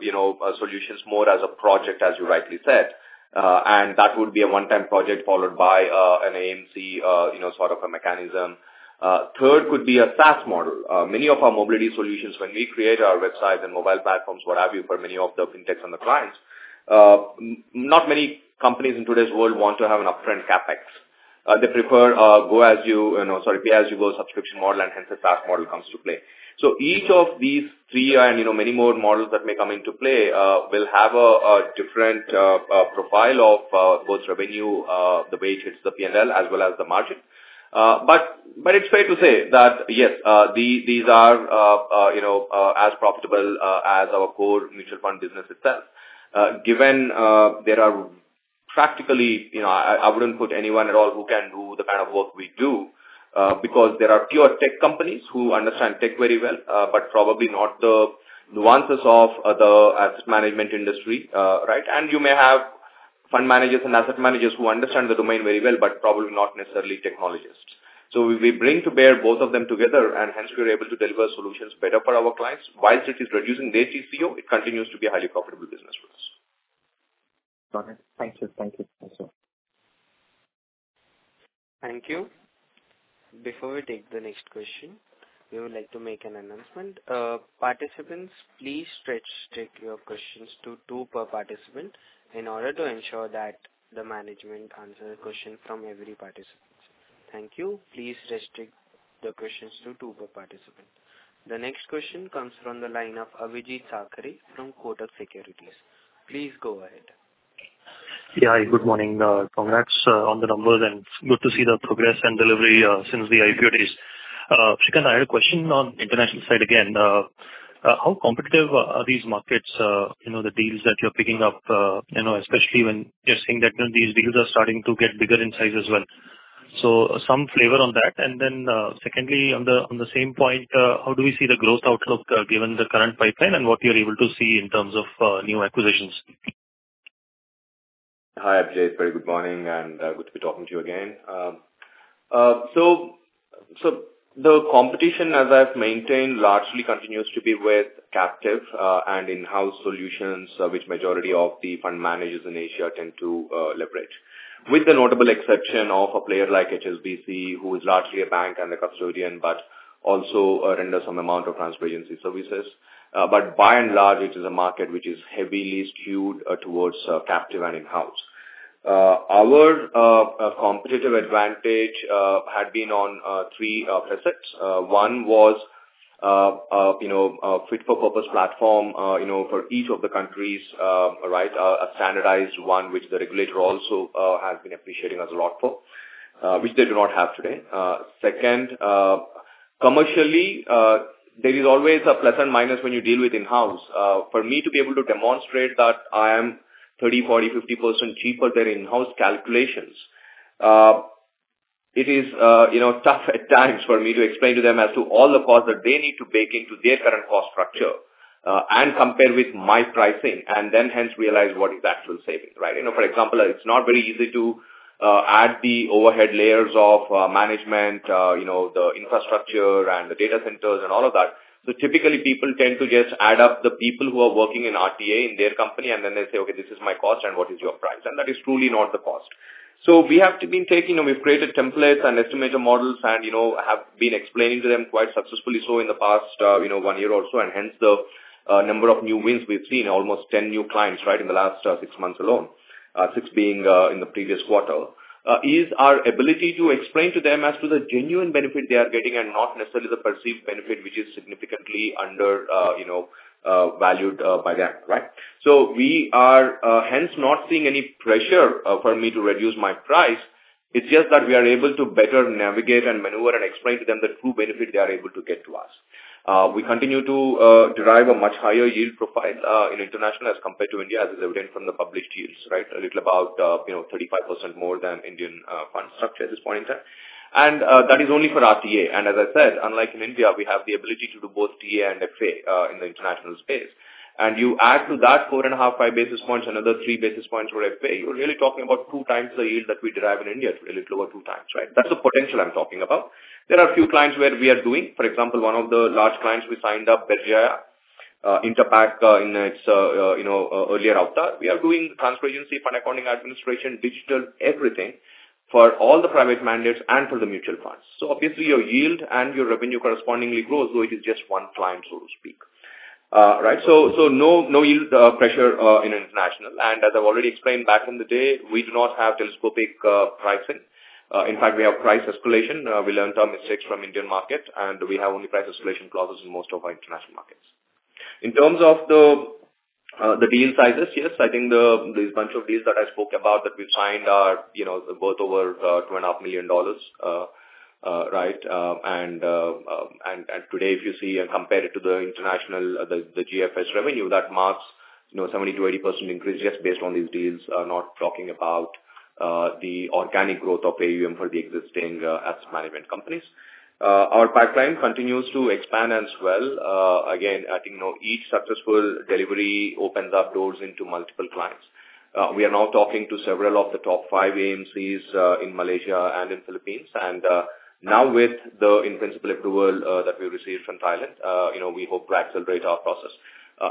you know, solutions more as a project, as you rightly said, and that would be a one-time project, followed by an AMC, you know, sort of a mechanism. Third could be a SaaS model. Many of our mobility solutions, when we create our websites and mobile platforms, what have you, for many of the fintechs and the clients, not many companies in today's world want to have an upfront CapEx. They prefer go as you, you know, sorry, pay-as-you-go subscription model, and hence the SaaS model comes to play. Each of these three, and, you know, many more models that may come into play, will have a different profile of both revenue, the way it hits the P&L, as well as the margin. But it's fair to say that, yes, these are, you know, as profitable as our core mutual fund business itself. Given there are practically, you know, I wouldn't put anyone at all who can do the kind of work we do, because there are pure tech companies who understand tech very well, but probably not the nuances of the asset management industry, right? And you may have fund managers and asset managers who understand the domain very well, but probably not necessarily technologists. So we bring to bear both of them together, and hence we're able to deliver solutions better for our clients. While it is reducing their TCO, it continues to be a highly profitable business for us. Got it. Thank you. Thank you. Thank you. Thank you. Before we take the next question, we would like to make an announcement. Participants, please stretch your questions to two per participant in order to ensure that the management answer the question from every participants. Thank you. Please restrict the questions to two per participant. The next question comes from the line of Abhijeet Sakhare from Kotak Securities. Please go ahead. Yeah, hi, good morning. Congrats on the numbers, and good to see the progress and delivery since the IPO days. Sreekanth, I had a question on international side again. How competitive are these markets, you know, the deals that you're picking up, you know, especially when you're seeing that these deals are starting to get bigger in size as well? So some flavor on that, and then, secondly, on the same point, how do we see the growth outlook, given the current pipeline and what you're able to see in terms of new acquisitions? Hi, Abhijeet. Very good morning, and good to be talking to you again. So the competition, as I've maintained, largely continues to be with captive and in-house solutions, which majority of the fund managers in Asia tend to leverage. With the notable exception of a player like HSBC, who is largely a bank and a custodian, but also renders some amount of transfer agency services. But by and large, it is a market which is heavily skewed towards captive and in-house. Our competitive advantage had been on three precepts. One was you know, a fit-for-purpose platform, you know, for each of the countries, right? A standardized one, which the regulator also has been appreciating us a lot for, which they do not have today. Second, commercially, there is always a plus and minus when you deal with in-house. For me to be able to demonstrate that I am 30%, 40%, 50% cheaper than in-house calculations, it is, you know, tough at times for me to explain to them as to all the costs that they need to bake into their current cost structure, and compare with my pricing, and then hence realize what is actual savings, right? You know, for example, it's not very easy to add the overhead layers of management, you know, the infrastructure and the data centers and all of that. So typically people tend to just add up the people who are working in RTA in their company, and then they say: "Okay, this is my cost and what is your price?" And that is truly not the cost. We've created templates and estimator models and, you know, have been explaining to them quite successfully so in the past, you know, one year or so, and hence the number of new wins we've seen, almost 10 new clients, right, in the last 6 months alone, 6 being in the previous quarter. Our ability to explain to them as to the genuine benefit they are getting and not necessarily the perceived benefit, which is significantly under, you know, valued by them, right? We are hence not seeing any pressure for me to reduce my price. It's just that we are able to better navigate and maneuver and explain to them the true benefit they are able to get to us. We continue to derive a much higher yield profile in international as compared to India, as is evident from the published yields, right? A little about, you know, 35% more than Indian fund structure at this point in time. And that is only for RTA. And as I said, unlike in India, we have the ability to do both TA and FA in the international space. And you add to that four and a half, five basis points, another three basis points for FA, you're really talking about two times the yield that we derive in India, a little over two times, right? That's the potential I'm talking about. There are a few clients where we are doing. For example, one of the large clients we signed up, Berjaya Inter-Pac, in its, you know, earlier avatar. We are doing transfer agency, fund accounting, administration, digital, everything, for all the private mandates and for the mutual funds. So obviously, your yield and your revenue correspondingly grows, so it is just one client, so to speak. Right, so no yield pressure in international, and as I've already explained back in the day, we do not have telescopic pricing. In fact, we have price escalation. We learned our mistakes from Indian market, and we have only price escalation clauses in most of our international markets. In terms of the deal sizes, yes, I think these bunch of deals that I spoke about that we've signed are, you know, worth over $2.5 million, right? Today, if you see and compare it to the international GFS revenue, that marks, you know, 70%-80% increase just based on these deals, not talking about the organic growth of AUM for the existing asset management companies. Our pipeline continues to expand as well. Again, I think, you know, each successful delivery opens up doors into multiple clients. We are now talking to several of the top five AMCs in Malaysia and in Philippines. Now with the in-principle approval that we received from Thailand, you know, we hope to accelerate our process.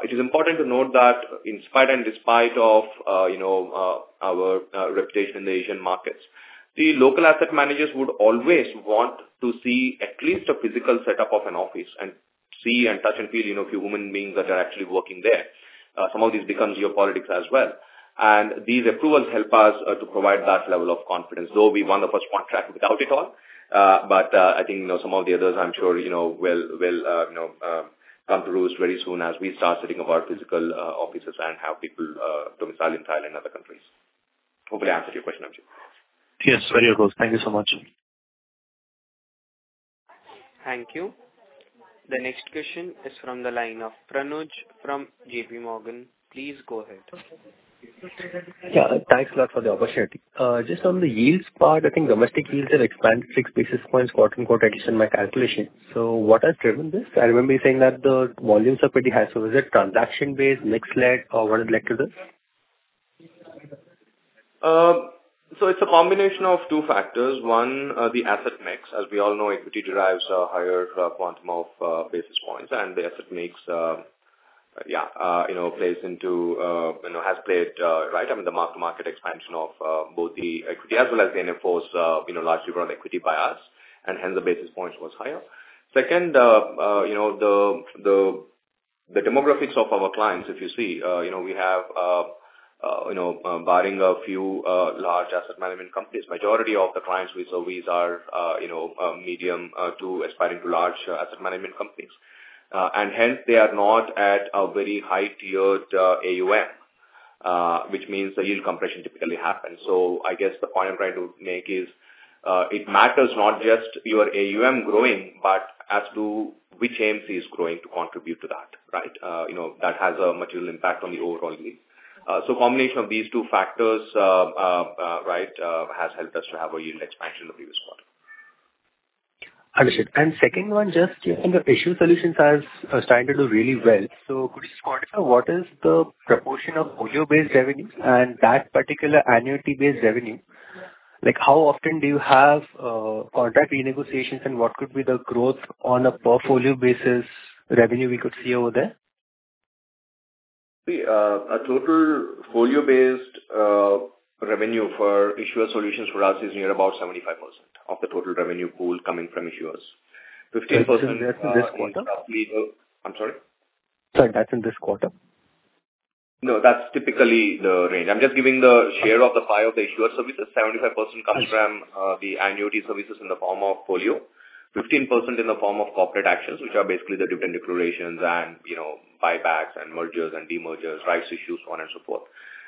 It is important to note that in spite and despite of, you know, our reputation in the Asian markets, the local asset managers would always want to see at least a physical setup of an office and see and touch and feel, you know, human beings that are actually working there. Some of these become geopolitics as well, and these approvals help us to provide that level of confidence, though we won the first contract without it all, but I think, you know, some of the others, I'm sure, you know, will come through very soon as we start setting up our physical offices and have people domiciled in Thailand and other countries. Hopefully, I answered your question, Abhijeet. Yes, very well. Thank you so much. Thank you. The next question is from the line of Pranoy from JPMorgan. Please go ahead. Yeah, thanks a lot for the opportunity. Just on the yields part, I think domestic yields have expanded six basis points quarter-and-quarter, at least in my calculation. So what has driven this? I remember you saying that the volumes are pretty high. So is it transaction-based, mix-led, or what has led to this? So it's a combination of two factors. One, the asset mix. As we all know, equity derives a higher quantum of basis points and the asset mix, yeah, you know, plays into, you know, has played, right, I mean, the mark-to-market expansion of both the equity as well as the NFOs, you know, largely run equity by us, and hence the basis points was higher. Second, you know, the demographics of our clients, if you see, you know, we have, you know, barring a few large asset management companies, majority of the clients we service are, you know, medium to aspiring to large asset management companies. And hence, they are not at a very high-tiered AUM, which means the yield compression typically happens. So I guess the point I'm trying to make is, it matters not just your AUM growing, but as to which AMC is growing to contribute to that, right? You know, that has a material impact on the overall yield. So combination of these two factors, right, has helped us to have a yield expansion in the previous quarter. Understood. And second one, just in the Issuer Solutions has started to do really well. So could you quantify what is the proportion of folio-based revenue and that particular annuity-based revenue? Like, how often do you have contract renegotiations, and what could be the growth on a portfolio basis revenue we could see over there? See, a total folio-based revenue for Issuer Solutions for us is near about 75% of the total revenue pool coming from issuers. 15%- That's in this quarter? I'm sorry? Sorry, that's in this quarter? No, that's typically the range. I'm just giving the share of the pie of the issuer services. 75% comes from- Yes... the annuity services in the form of folio. 15% in the form of corporate actions, which are basically the dividend declarations and, you know, buybacks and mergers and demergers, rights issues, so on and so forth.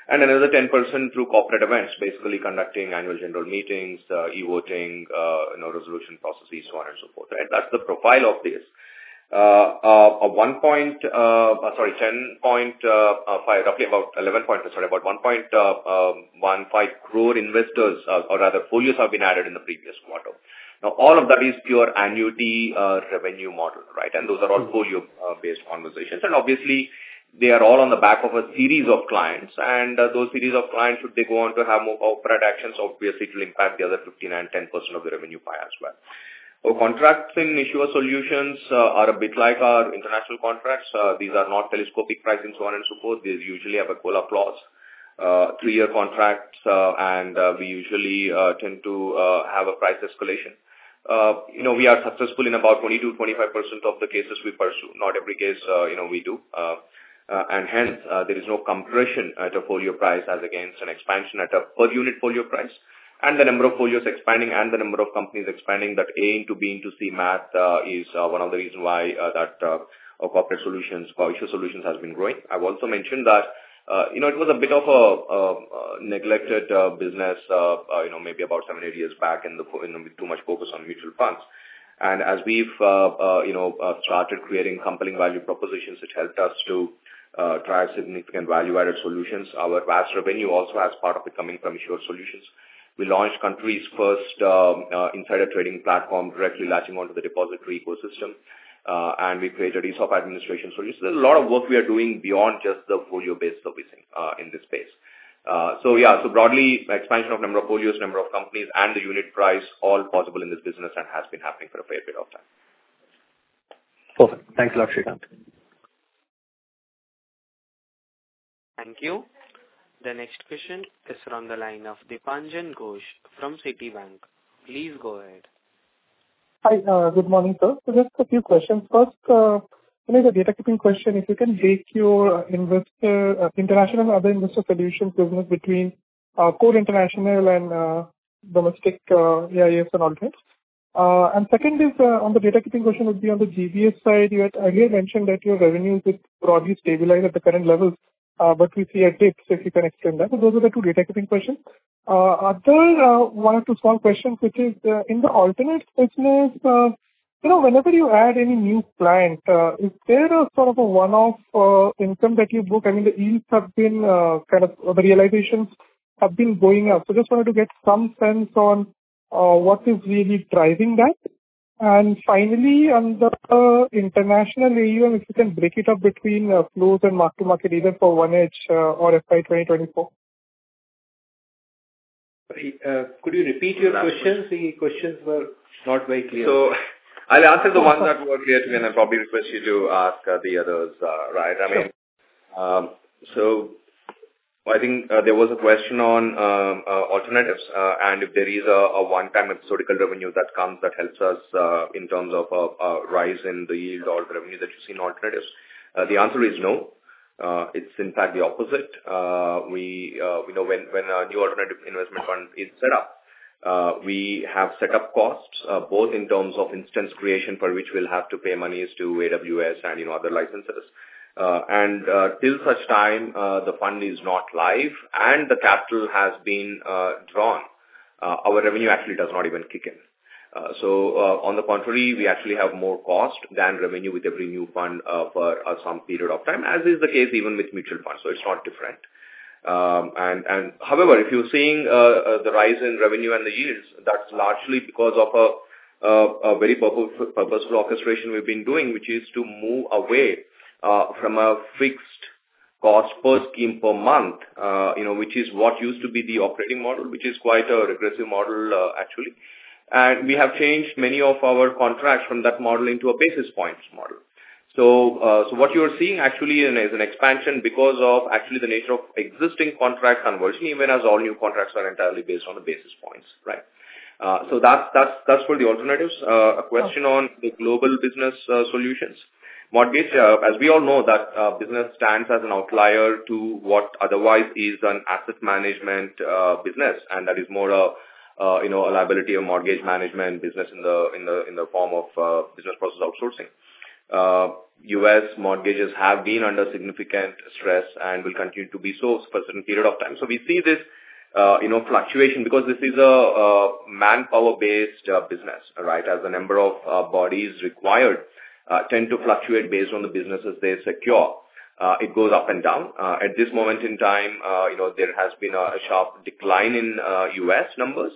And another 10% through corporate events, basically conducting annual general meetings, e-voting, you know, resolution processes, so on and so forth, right? That's the profile of this. Roughly about 1.15 crore investors or rather folios have been added in the previous quarter. Now, all of that is pure annuity revenue model, right? Mm-hmm. Those are all folio based conversations, and obviously they are all on the back of a series of clients. Those series of clients, should they go on to have more corporate actions, obviously it will impact the other 15% and 10% of the revenue pie as well. Our contracts in Issuer Solutions are a bit like our international contracts. These are not telescopic pricing, so on and so forth. They usually have a pull-up clause, three-year contracts, and we usually tend to have a price escalation. You know, we are successful in about 20%-25% of the cases we pursue. Not every case, you know, we do. And hence there is no compression at a folio price as against an expansion at a per unit folio price. The number of folios expanding and the number of companies expanding that A into B into C math is one of the reasons why that our corporate solutions or Issuer Solutions has been growing. I've also mentioned that, you know, it was a bit of a neglected business, you know, maybe about seven, eight years back, and with too much focus on mutual funds. As we've you know started creating compelling value propositions, which helped us to try significant value-added solutions, our VAS revenue also as part of it coming from Issuer Solutions. We launched country's first insider trading platform, directly latching onto the depository ecosystem, and we created ESOP administration solutions. There's a lot of work we are doing beyond just the folio-based servicing in this space. So yeah, so broadly, expansion of number of folios, number of companies, and the unit price, all possible in this business and has been happening for a fair bit of time. Perfect. Thanks a lot, Sreekanth. Thank you. The next question is from the line of Dipanjan Ghosh from Citibank. Please go ahead. Hi, good morning, sir. So just a few questions. First, you know, the data keeping question, if you can break your investor, international and other investor solution business between, core international and, domestic, AIF and all that. And second is, on the data keeping question would be on the GBS side. You had again mentioned that your revenues is broadly stabilized at the current levels, but we see a dip, so if you can explain that. So those are the two data keeping questions. Other, one or two small questions, which is, in the alternate business, you know, whenever you add any new client, is there a sort of a one-off, income that you book? I mean, the yields have been, kind of, the realizations have been going up. So just wanted to get some sense on what is really driving that. And finally, on the international AUM, if you can break it up between flows and mark-to-market, even for Q1, or FY 2024. Could you repeat your questions? The questions were not very clear. I'll answer the ones that were clear to me, and I'll probably request you to ask the others, right? Sure. I think there was a question on alternatives and if there is a one-time material revenue that comes that helps us in terms of a rise in the yield or revenue that you see in alternatives. The answer is no. It's in fact the opposite. We know when a new alternative investment fund is set up we have set up costs both in terms of instance creation for which we'll have to pay monies to AWS and you know other licenses till such time the fund is not live and the capital has been drawn our revenue actually does not even kick in. So, on the contrary, we actually have more cost than revenue with every new fund for some period of time, as is the case even with mutual funds, so it's not different. And however, if you're seeing the rise in revenue and the yields, that's largely because of a very purposeful orchestration we've been doing, which is to move away from a fixed cost per scheme per month, you know, which is what used to be the operating model, which is quite a regressive model, actually. And we have changed many of our contracts from that model into a basis points model. So, what you're seeing actually is an expansion because of actually the nature of existing contracts converging, even as all new contracts are entirely based on the basis points, right? So that's for the alternatives. A question on the Global Business Solutions. Mortgage, as we all know, that business stands as an outlier to what otherwise is an asset management business, and that is more a, you know, a liability of mortgage management business in the form of business process outsourcing. U.S. mortgages have been under significant stress and will continue to be so for a certain period of time. So we see this, you got fluctuation, because this is a manpower-based business, right? As the number of bodies required tend to fluctuate based on the businesses they secure. It goes up and down. At this moment in time, you know, there has been a sharp decline in US numbers,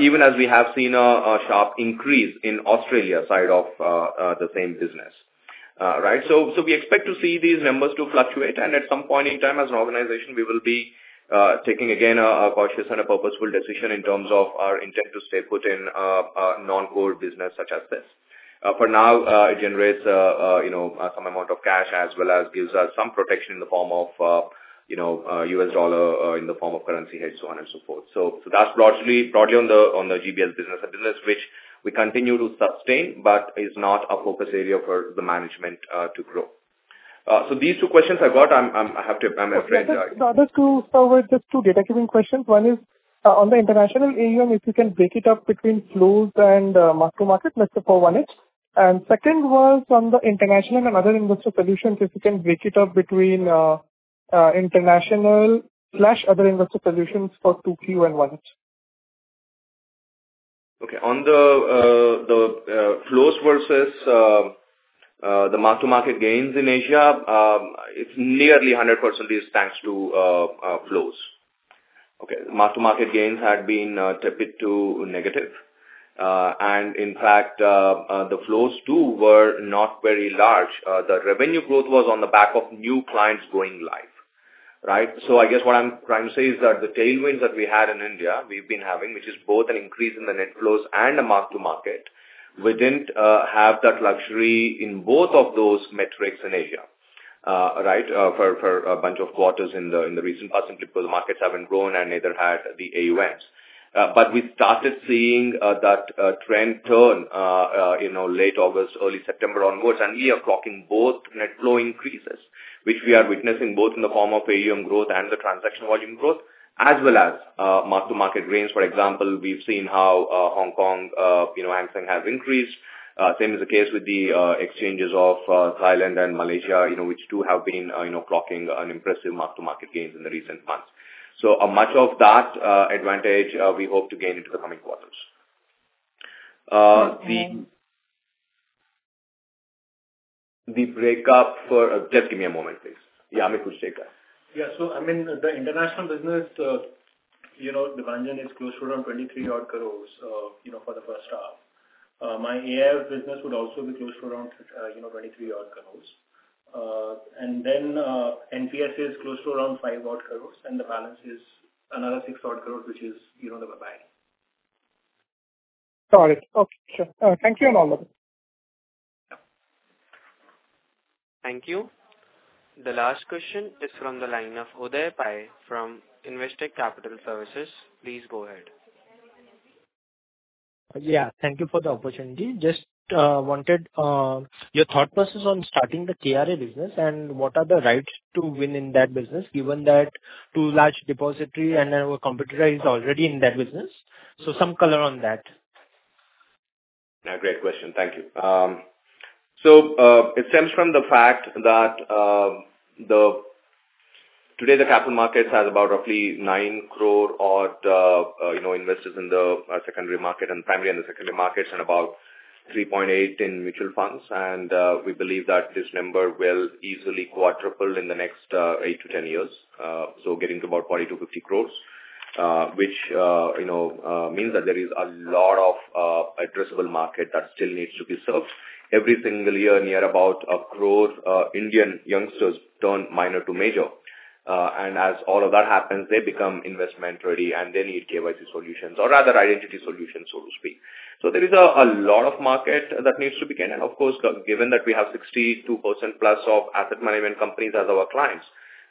even as we have seen a sharp increase in Australia side of the same business, right? So we expect to see these numbers to fluctuate, and at some point in time, as an organization, we will be taking again a cautious and a purposeful decision in terms of our intent to stay put in a non-core business such as this. For now, it generates, you know, some amount of cash, as well as gives us some protection in the form of, you know, US dollar, in the form of currency hedge, so on and so forth. So that's broadly on the GBS business, a business which we continue to sustain but is not a focus area for the management to grow. So these two questions I got, I'm afraid- The other two were just two data-giving questions. One is on the international AUM, if you can break it up between flows and mark-to-market, just for Q1, and second was on the international and other investor positions, if you can break it up between international and other investor positions for Q2, Q3, and Q1. Okay. On the flows versus the mark-to-market gains in Asia, it's nearly 100% is thanks to flows. Okay? Mark-to-market gains had been a bit too negative. And in fact, the flows, too, were not very large. The revenue growth was on the back of new clients going live, right? So I guess what I'm trying to say is that the tailwinds that we had in India, we've been having, which is both an increase in the net flows and a mark-to-market. We didn't have that luxury in both of those metrics in Asia, right, for a bunch of quarters in the recent past, simply because the markets haven't grown and neither had the AUMs. But we started seeing that trend turn, you know, late August, early September onwards, and we are clocking both net flow increases, which we are witnessing both in the form of AUM growth and the transaction volume growth, as well as mark-to-market gains. For example, we've seen how Hong Kong, you know, Hang Seng has increased. Same is the case with the exchanges of Thailand and Malaysia, you know, which do have been, you know, clocking an impressive mark-to-market gains in the recent months. So much of that advantage we hope to gain into the coming quarters. The- And- Just give me a moment, please. Yeah, Amit, please take that. Yeah. So, I mean, the international business, you know, the margin is close to around 23 odd crores, you know, for the first half. My AIF business would also be close to around, you know, 23 odd crores. And then, NPS is close to around 5 odd crores, and the balance is another 6 odd crores, which is, you know, the BPO. Got it. Okay, sure. Thank you and all. Thank you. The last question is from the line of Uday Pai from Investec Capital Services. Please go ahead. Yeah, thank you for the opportunity. Just wanted your thought process on starting the KRA business, and what are the rights to win in that business, given that two large depository and our competitor is already in that business. So some color on that. A great question. Thank you. So, it stems from the fact that, today, the capital markets has about roughly nine crore odd, you know, investors in the, secondary market and primary and the secondary markets, and about three point eight in mutual funds. And, we believe that this number will easily quadruple in the next, eight to ten years, so getting to about forty to fifty crores, which, you know, means that there is a lot of, addressable market that still needs to be served. Every single year, near about, of growth, Indian youngsters turn minor to major. And as all of that happens, they become investment-ready, and they need KYC solutions or other identity solutions, so to speak. So there is a, a lot of market that needs to be gained. And of course, given that we have 62% plus of asset management companies as our clients,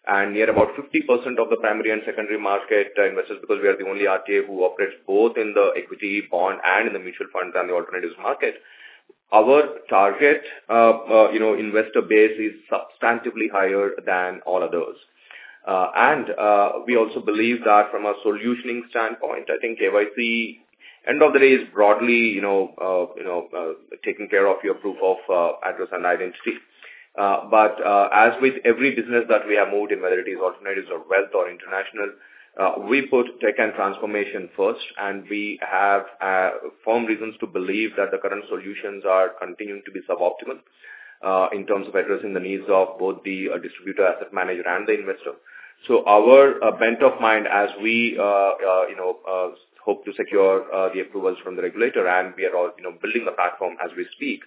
and near about 50% of the primary and secondary market investors, because we are the only RTA who operates both in the equity, bond, and in the mutual funds, and the alternatives market. Our target, you know, investor base is substantively higher than all others. And we also believe that from a solutioning standpoint, I think KYC, end of the day, is broadly, you know, you know, taking care of your proof of address and identity. But, as with every business that we have moved, whether it is alternatives or wealth or international, we put tech and transformation first, and we have firm reasons to believe that the current solutions are continuing to be suboptimal in terms of addressing the needs of both the distributor, asset manager, and the investor. So our bent of mind as we, you know, hope to secure the approvals from the regulator, and we are all, you know, building the platform as we speak,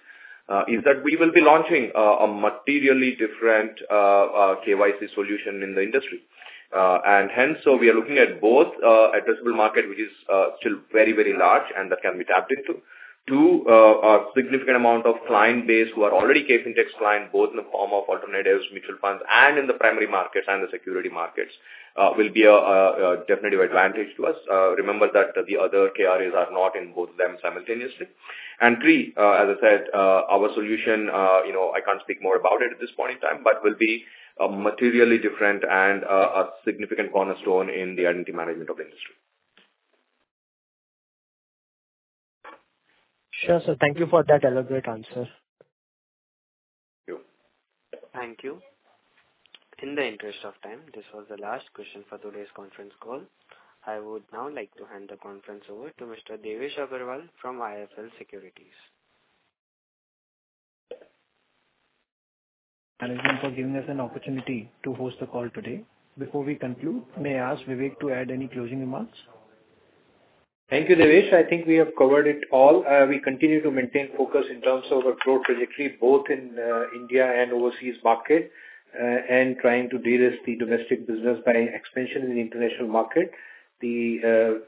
is that we will be launching a materially different KYC solution in the industry. And hence, so we are looking at both addressable market, which is still very, very large and that can be tapped into. Two, a significant amount of client base who are already KFintech client, both in the form of alternatives, mutual funds, and in the primary markets and the securities markets, will be a definitely advantage to us. Remember that the other KRAs are not in both of them simultaneously. Three, as I said, our solution, you know, I can't speak more about it at this point in time, but will be materially different and a significant cornerstone in the identity management of the industry. Sure, sir. Thank you for that elaborate answer. Thank you. Thank you. In the interest of time, this was the last question for today's conference call. I would now like to hand the conference over to Mr. Devesh Agarwal from IIFL Securities. Again, for giving us an opportunity to host the call today. Before we conclude, may I ask Vivek to add any closing remarks? Thank you, Devesh. I think we have covered it all. We continue to maintain focus in terms of our growth trajectory, both in India and overseas market, and trying to de-risk the domestic business by expansion in the international market. You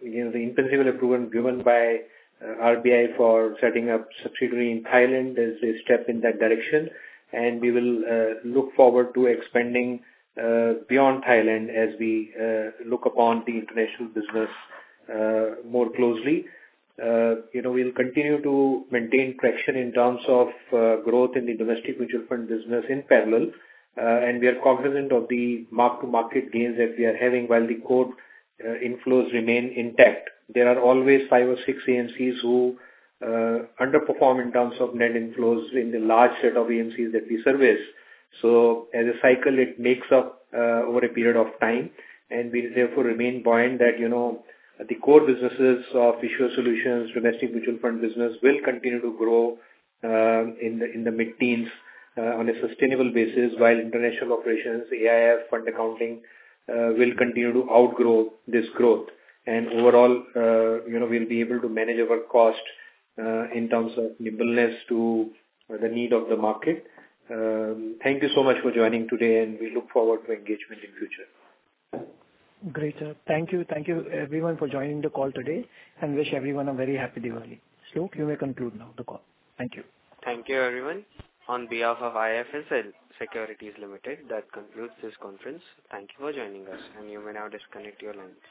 know, the in-principle approval given by RBI for setting up subsidiary in Thailand is a step in that direction, and we will look forward to expanding beyond Thailand as we look upon the international business more closely. You know, we'll continue to maintain traction in terms of growth in the domestic mutual fund business in parallel. And we are cognizant of the mark-to-market gains that we are having, while the core inflows remain intact. There are always five or six AMCs who underperform in terms of net inflows in the large set of AMCs that we service, so as a cycle, it makes up over a period of time, and we therefore remain buoyant that, you know, the core businesses of Issuer Solutions, domestic mutual fund business, will continue to grow in the mid-teens on a sustainable basis, while international operations, AIF fund accounting, will continue to outgrow this growth, and overall, you know, we'll be able to manage our cost in terms of nimbleness to the need of the market. Thank you so much for joining today, and we look forward to engagement in future. Great, sir. Thank you. Thank you everyone for joining the call today, and wish everyone a very happy Diwali. Shiv, you may conclude now the call. Thank you. Thank you, everyone. On behalf of IIFL Securities Limited, that concludes this conference. Thank you for joining us, and you may now disconnect your lines.